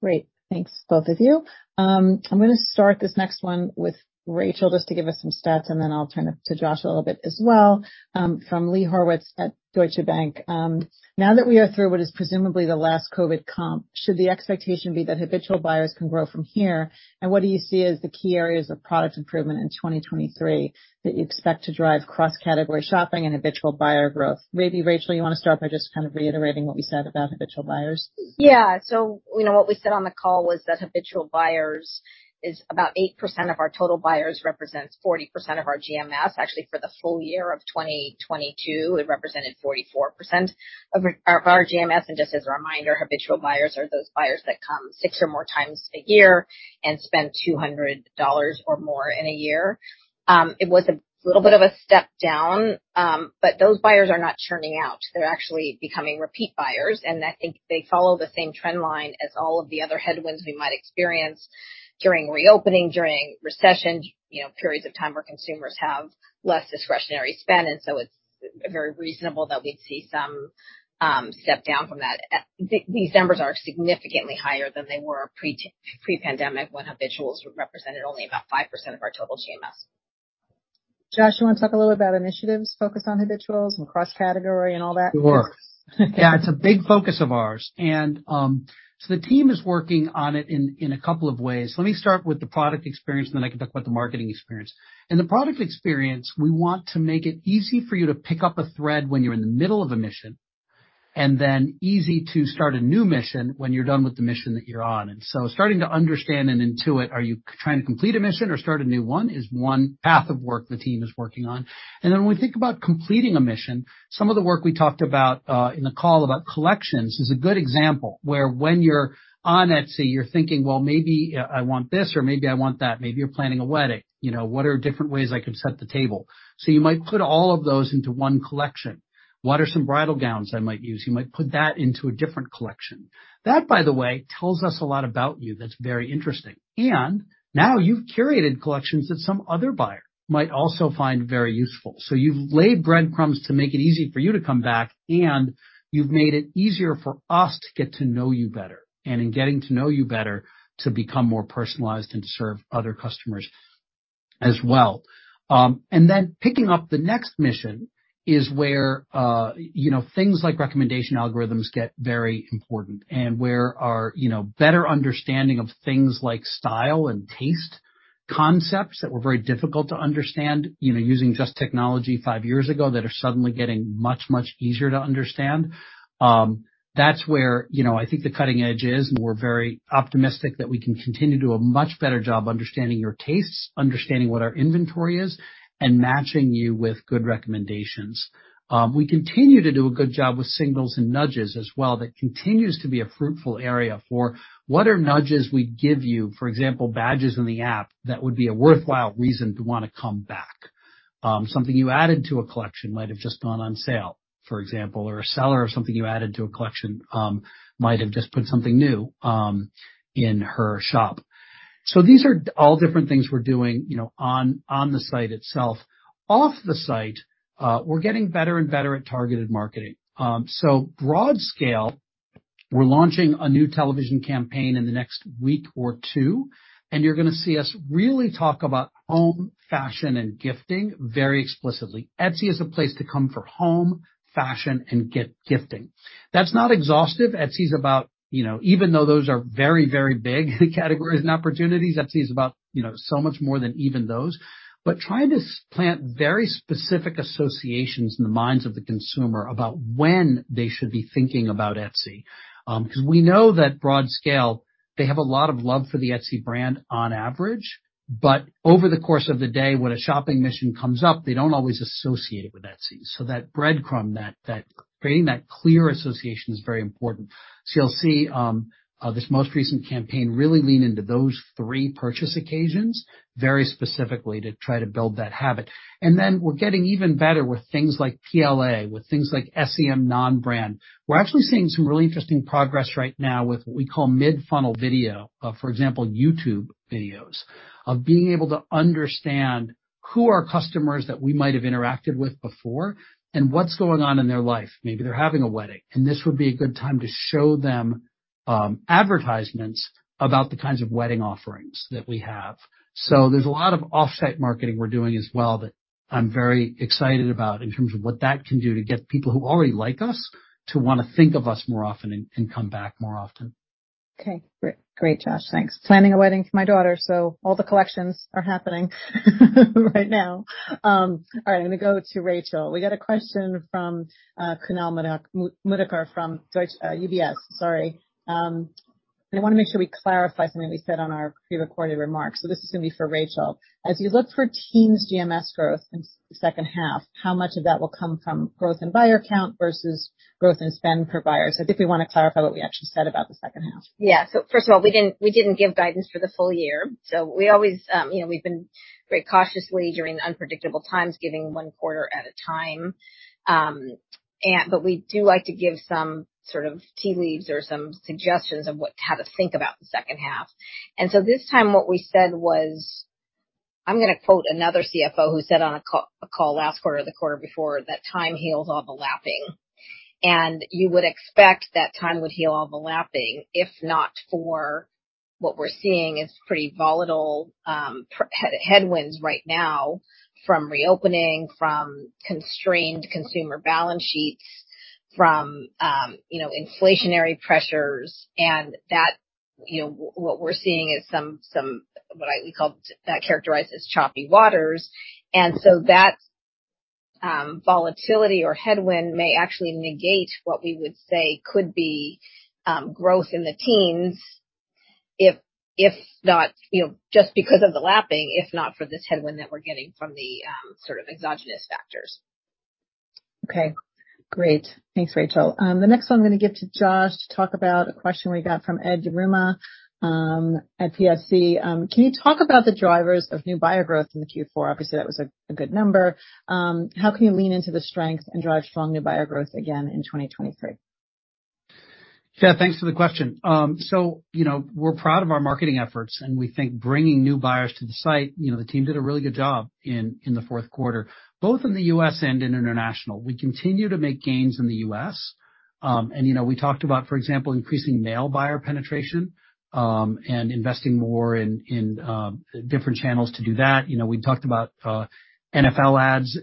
Great. Thanks, both of you. I'm gonna start this next one with Rachel just to give us some stats, and then I'll turn it to Josh a little bit as well. From Lee Horowitz at Deutsche Bank. Now that we are through what is presumably the last COVID comp, should the expectation be that habitual buyers can grow from here? What do you see as the key areas of product improvement in 2023 that you expect to drive cross-category shopping and habitual buyer growth? Rachel, you wanna start by just kind of reiterating what we said about habitual buyers. You know, what we said on the call was that habitual buyers is about 8% of our total buyers, represents 40% of our GMS. Actually, for the full year of 2022, it represented 44% of our GMS. Just as a reminder, habitual buyers are those buyers that come six or more times a year and spend $200 or more in a year. It was a little bit of a step down, those buyers are not churning out. They're actually becoming repeat buyers, and I think they follow the same trend line as all of the other headwinds we might experience during reopening, during recession, you know, periods of time where consumers have less discretionary spend. It's very reasonable that we'd see some step down from that. These numbers are significantly higher than they were pre-pandemic, when habituals represented only about 5% of our total GMS. Josh, you wanna talk a little about initiatives focused on habituals and cross-category and all that? Sure. Yeah, it's a big focus of ours. The team is working on it in a couple of ways. Let me start with the product experience, and then I can talk about the marketing experience. In the product experience, we want to make it easy for you to pick up a thread when you're in the middle of a mission, easy to start a new mission when you're done with the mission that you're on. Starting to understand and intuit, are you trying to complete a mission or start a new one is one path of work the team is working on. When we think about completing a mission, some of the work we talked about in the call about collections is a good example where when you're on Etsy, you're thinking, "Well, maybe I want this or maybe I want that." Maybe you're planning a wedding. You know, what are different ways I could set the table? You might put all of those into one collection. What are some bridal gowns I might use? You might put that into a different collection. That, by the way, tells us a lot about you that's very interesting. You've curated collections that some other buyer might also find very useful. You've laid breadcrumbs to make it easy for you to come back, and you've made it easier for us to get to know you better. In getting to know you better, to become more personalized and to serve other customers as well. Then picking up the next mission is where, you know, things like recommendation algorithms get very important, and where our, you know, better understanding of things like style and taste, concepts that were very difficult to understand, you know, using just technology five years ago that are suddenly getting much, much easier to understand. That's where, you know, I think the cutting edge is, and we're very optimistic that we can continue to do a much better job understanding your tastes, understanding what our inventory is, and matching you with good recommendations. We continue to do a good job with signals and nudges as well. That continues to be a fruitful area for what are nudges we give you, for example, badges in the app that would be a worthwhile reason to wanna come back. Something you added to a collection might have just gone on sale, for example. A seller of something you added to a collection, might have just put something new, in her shop. These are all different things we're doing, you know, on the site itself. Off the site, we're getting better and better at targeted marketing. Broad scale, we're launching a new television campaign in the next week or two, and you're gonna see us really talk about home, fashion, and gifting very explicitly. Etsy is a place to come for home, fashion, and get gifting. That's not exhaustive. Etsy is about, you know, even though those are very, very big categories and opportunities, Etsy is about, you know, so much more than even those. Trying to plant very specific associations in the minds of the consumer about when they should be thinking about Etsy. Because we know that broad scale, they have a lot of love for the Etsy brand on average, but over the course of the day, when a shopping mission comes up, they don't always associate it with Etsy. That breadcrumb, that creating that clear association is very important. You'll see this most recent campaign really lean into those three purchase occasions very specifically to try to build that habit. We're getting even better with things like PLA, with things like SEM non-brand. We're actually seeing some really interesting progress right now with what we call mid-funnel video. For example, YouTube videos of being able to understand who are customers that we might have interacted with before and what's going on in their life. Maybe they're having a wedding, and this would be a good time to show them advertisements about the kinds of wedding offerings that we have. There's a lot of offsite marketing we're doing as well that I'm very excited about in terms of what that can do to get people who already like us to wanna think of us more often and come back more often. Great, Josh. Thanks. Planning a wedding for my daughter, all the collections are happening right now. All right. I'm gonna go to Rachel. We got a question from Kunal Madhukar from UBS. Sorry. They wanna make sure we clarify something we said on our pre-recorded remarks. This is gonna be for Rachel. As you look for team's GMS growth in second half, how much of that will come from growth in buyer count versus growth in spend per buyer? I think we wanna clarify what we actually said about the second half. Yeah. First of all, we didn't give guidance for the full year. We always, you know, we've been very cautiously, during the unpredictable times, giving 1 quarter at a time. We do like to give some sort of tea leaves or some suggestions of how to think about the second half. This time, what we said was... I'm gonna quote another CFO who said on a call last quarter or the quarter before that, "Time heals all the lapping." You would expect that time would heal all the lapping if not for what we're seeing is pretty volatile headwinds right now from reopening, from constrained consumer balance sheets. From, you know, inflationary pressures and that, you know, what we're seeing is some what I characterize as choppy waters. That, volatility or headwind may actually negate what we would say could be, growth in the teens if not, you know, just because of the lapping, if not for this headwind that we're getting from the, sort of exogenous factors. Okay, great. Thanks, Rachel. The next one I'm gonna give to Josh to talk about a question we got from Ed Yruma, at PSC. Can you talk about the drivers of new buyer growth in the Q4? Obviously, that was a good number. How can you lean into the strength and drive strong new buyer growth again in 2023? Yeah, thanks for the question. You know, we're proud of our marketing efforts, and we think bringing new buyers to the site, you know, the team did a really good job in the fourth quarter, both in the U.S. and in international. We continue to make gains in the U.S., and, you know, we talked about, for example, increasing male buyer penetration, and investing more in, different channels to do that. You know, we talked about, NFL ads,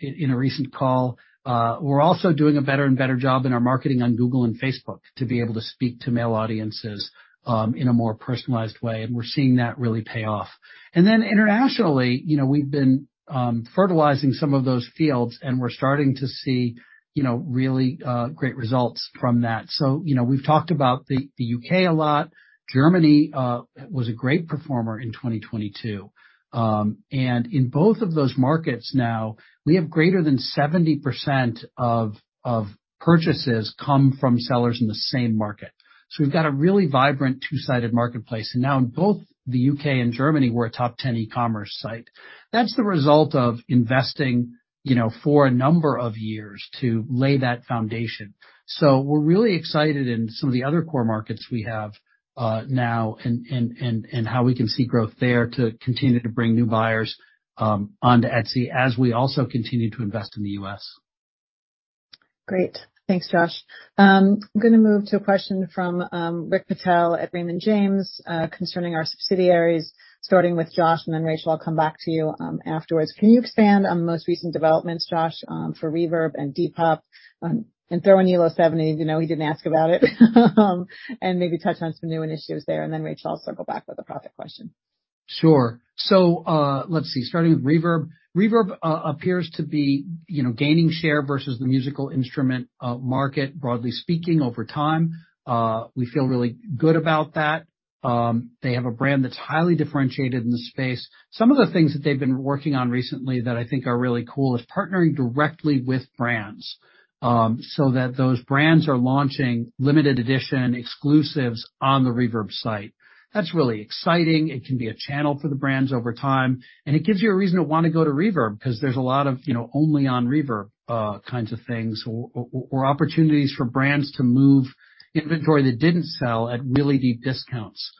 in a recent call. We're also doing a better and better job in our marketing on Google and Facebook to be able to speak to male audiences, in a more personalized way, and we're seeing that really pay off. Internationally, you know, we've been fertilizing some of those fields, and we're starting to see, you know, really great results from that. You know, we've talked about the U.K. a lot. Germany was a great performer in 2022. In both of those markets now, we have greater than 70% of purchases come from sellers in the same market. We've got a really vibrant two-sided marketplace. Now in both the U.K. and Germany, we're a top 10 e-commerce site. That's the result of investing, you know, for a number of years to lay that foundation. We're really excited in some of the other core markets we have, now and how we can see growth there to continue to bring new buyers onto Etsy as we also continue to invest in the U.S. Great. Thanks, Josh. I'm gonna move to a question from Rick Patel at Raymond James, concerning our subsidiaries, starting with Josh, and then Rachel, I'll come back to you afterwards. Can you expand on the most recent developments, Josh, for Reverb and Depop, and throw in Elo7 even though he didn't ask about it and maybe touch on some new initiatives there, and then Rachel, I'll circle back with a profit question. Sure. Let's see, starting with Reverb. Reverb appears to be, you know, gaining share versus the musical instrument market, broadly speaking, over time. We feel really good about that. They have a brand that's highly differentiated in the space. Some of the things that they've been working on recently that I think are really cool is partnering directly with brands, so that those brands are launching limited edition exclusives on the Reverb site. That's really exciting. It can be a channel for the brands over time, and it gives you a reason to wanna go to Reverb because there's a lot of, you know, only on Reverb, kinds of things or opportunities for brands to move inventory that didn't sell at really deep discounts.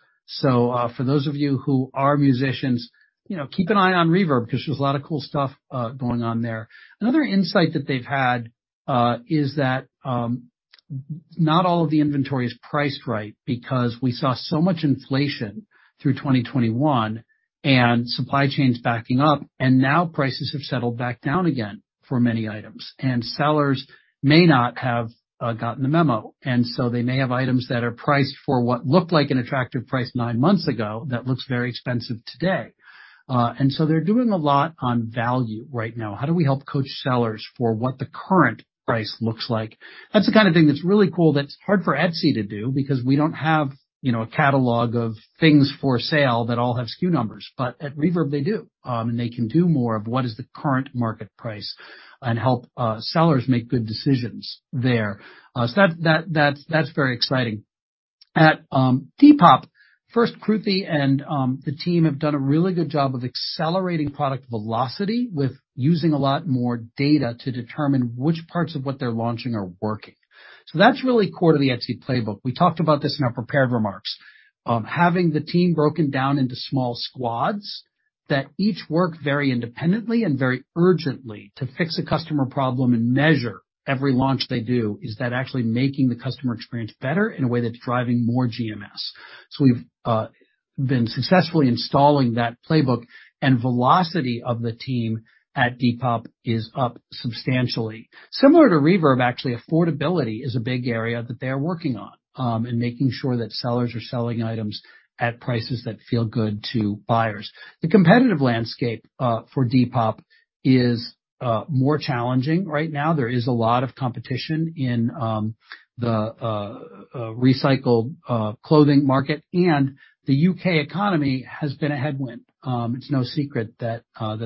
For those of you who are musicians, you know, keep an eye on Reverb because there's a lot of cool stuff going on there. Another insight that they've had is that not all of the inventory is priced right because we saw so much inflation through 2021 and supply chains backing up, and now prices have settled back down again for many items. Sellers may not have gotten the memo, and so they may have items that are priced for what looked like an attractive price 9 months ago that looks very expensive today. They're doing a lot on value right now. How do we help coach sellers for what the current price looks like? That's the kinda thing that's really cool, that's hard for Etsy to do because we don't have, you know, a catalog of things for sale that all have SKU numbers, but at Reverb they do. They can do more of what is the current market price and help sellers make good decisions there. That's very exciting. At Depop, first Kruti and the team have done a really good job of accelerating product velocity with using a lot more data to determine which parts of what they're launching are working. That's really core to the Etsy playbook. We talked about this in our prepared remarks. Having the team broken down into small squads that each work very independently and very urgently to fix a customer problem and measure every launch they do, is that actually making the customer experience better in a way that's driving more GMS. We've been successfully installing that playbook and velocity of the team at Depop is up substantially. Similar to Reverb, actually, affordability is a big area that they are working on, and making sure that sellers are selling items at prices that feel good to buyers. The competitive landscape for Depop is more challenging right now. There is a lot of competition in the recycled clothing market, and the U.K. economy has been a headwind. It's no secret that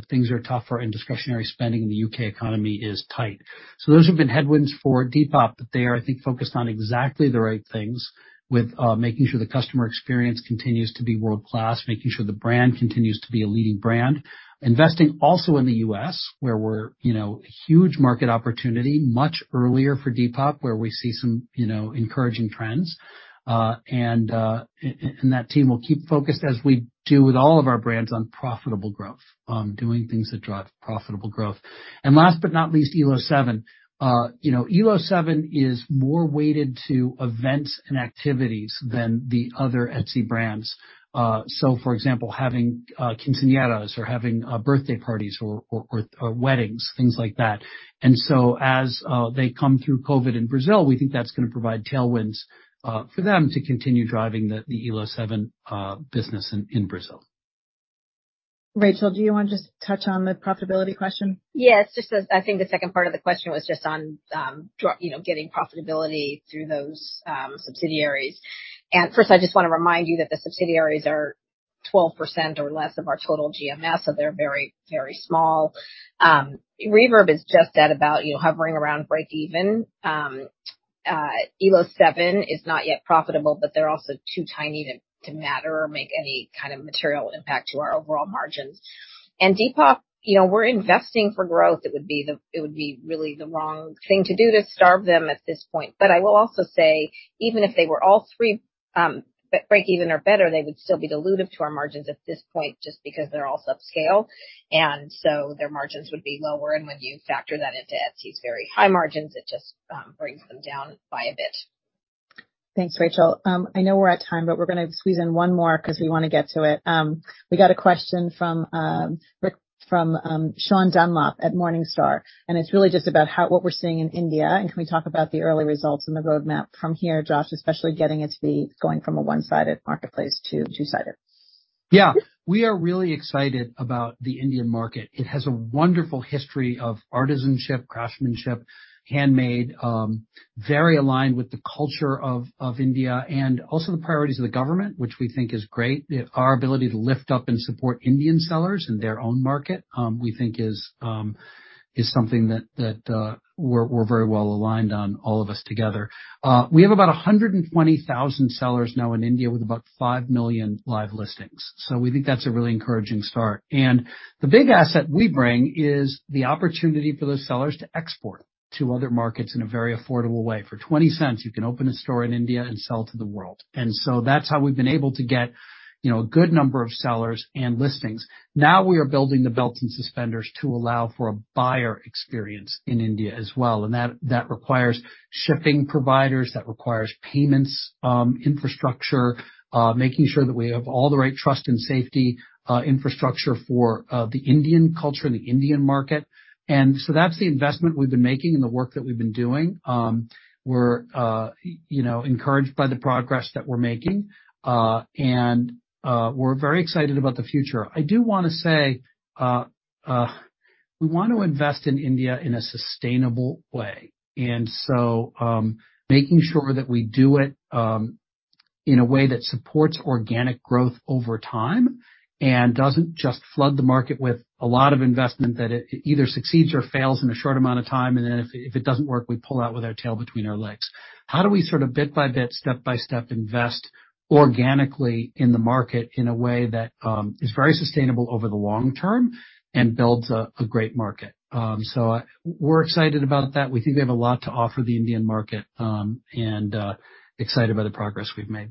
things are tougher and discretionary spending in the U.K. economy is tight. Those have been headwinds for Depop, but they are, I think, focused on exactly the right things with making sure the customer experience continues to be world-class, making sure the brand continues to be a leading brand. Investing also in the U.S., where we're, you know, a huge market opportunity much earlier for Depop, where we see some, you know, encouraging trends, and that team will keep focused as we do with all of our brands on profitable growth, on doing things that drive profitable growth. Last but not least, Elo7. You know, Elo7 is more weighted to events and activities than the other Etsy brands. So for example, having quinceañeras or having birthday parties or weddings, things like that. As, they come through COVID in Brazil, we think that's gonna provide tailwinds, for them to continue driving the Elo7, business in Brazil. Rachel, do you wanna just touch on the profitability question? Yes, just as I think the second part of the question was just on, you know, getting profitability through those subsidiaries. First, I just wanna remind you that the subsidiaries are 12% or less of our total GMS, so they're very, very small. Reverb is just at about, you know, hovering around breakeven. Elo7 is not yet profitable, but they're also too tiny to matter or make any kind of material impact to our overall margins. Depop, you know, we're investing for growth. It would be really the wrong thing to do to starve them at this point. I will also say, even if they were all three breakeven or better, they would still be dilutive to our margins at this point, just because they're all subscale, and so their margins would be lower. When you factor that into Etsy's very high margins, it just brings them down by a bit. Thanks, Rachel. I know we're at time, but we're gonna squeeze in one more 'cause we wanna get to it. We got a question from, Sean Dunlop at Morningstar, it's really just about what we're seeing in India, and can we talk about the early results and the roadmap from here, Josh, especially getting it to be going from a one-sided marketplace to two-sided? Yeah. We are really excited about the Indian market. It has a wonderful history of artisanship, craftsmanship, handmade, very aligned with the culture of India and also the priorities of the government, which we think is great. Our ability to lift up and support Indian sellers in their own market, we think is something that, we're very well aligned on, all of us together. We have about 120,000 sellers now in India with about 5 million live listings. We think that's a really encouraging start. The big asset we bring is the opportunity for those sellers to export to other markets in a very affordable way. For $0.20, you can open a store in India and sell to the world. That's how we've been able to get, you know, a good number of sellers and listings. Now we are building the belts and suspenders to allow for a buyer experience in India as well. That, that requires shipping providers, that requires payments, infrastructure, making sure that we have all the right trust and safety, infrastructure for the Indian culture and the Indian market. That's the investment we've been making and the work that we've been doing. We're, you know, encouraged by the progress that we're making, and we're very excited about the future. I do wanna say, we want to invest in India in a sustainable way, and so making sure that we do it in a way that supports organic growth over time, and doesn't just flood the market with a lot of investment that it either succeeds or fails in a short amount of time, and then if it doesn't work, we pull out with our tail between our legs. How do we sort of bit by bit, step by step, invest organically in the market in a way that is very sustainable over the long term and builds a great market? We're excited about that. We think we have a lot to offer the Indian market, and excited about the progress we've made.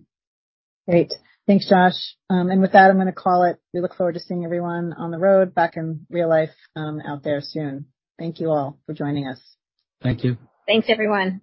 Great. Thanks, Josh. With that, I'm gonna call it. We look forward to seeing everyone on the road back in real life, out there soon. Thank you all for joining us. Thank you. Thanks, everyone.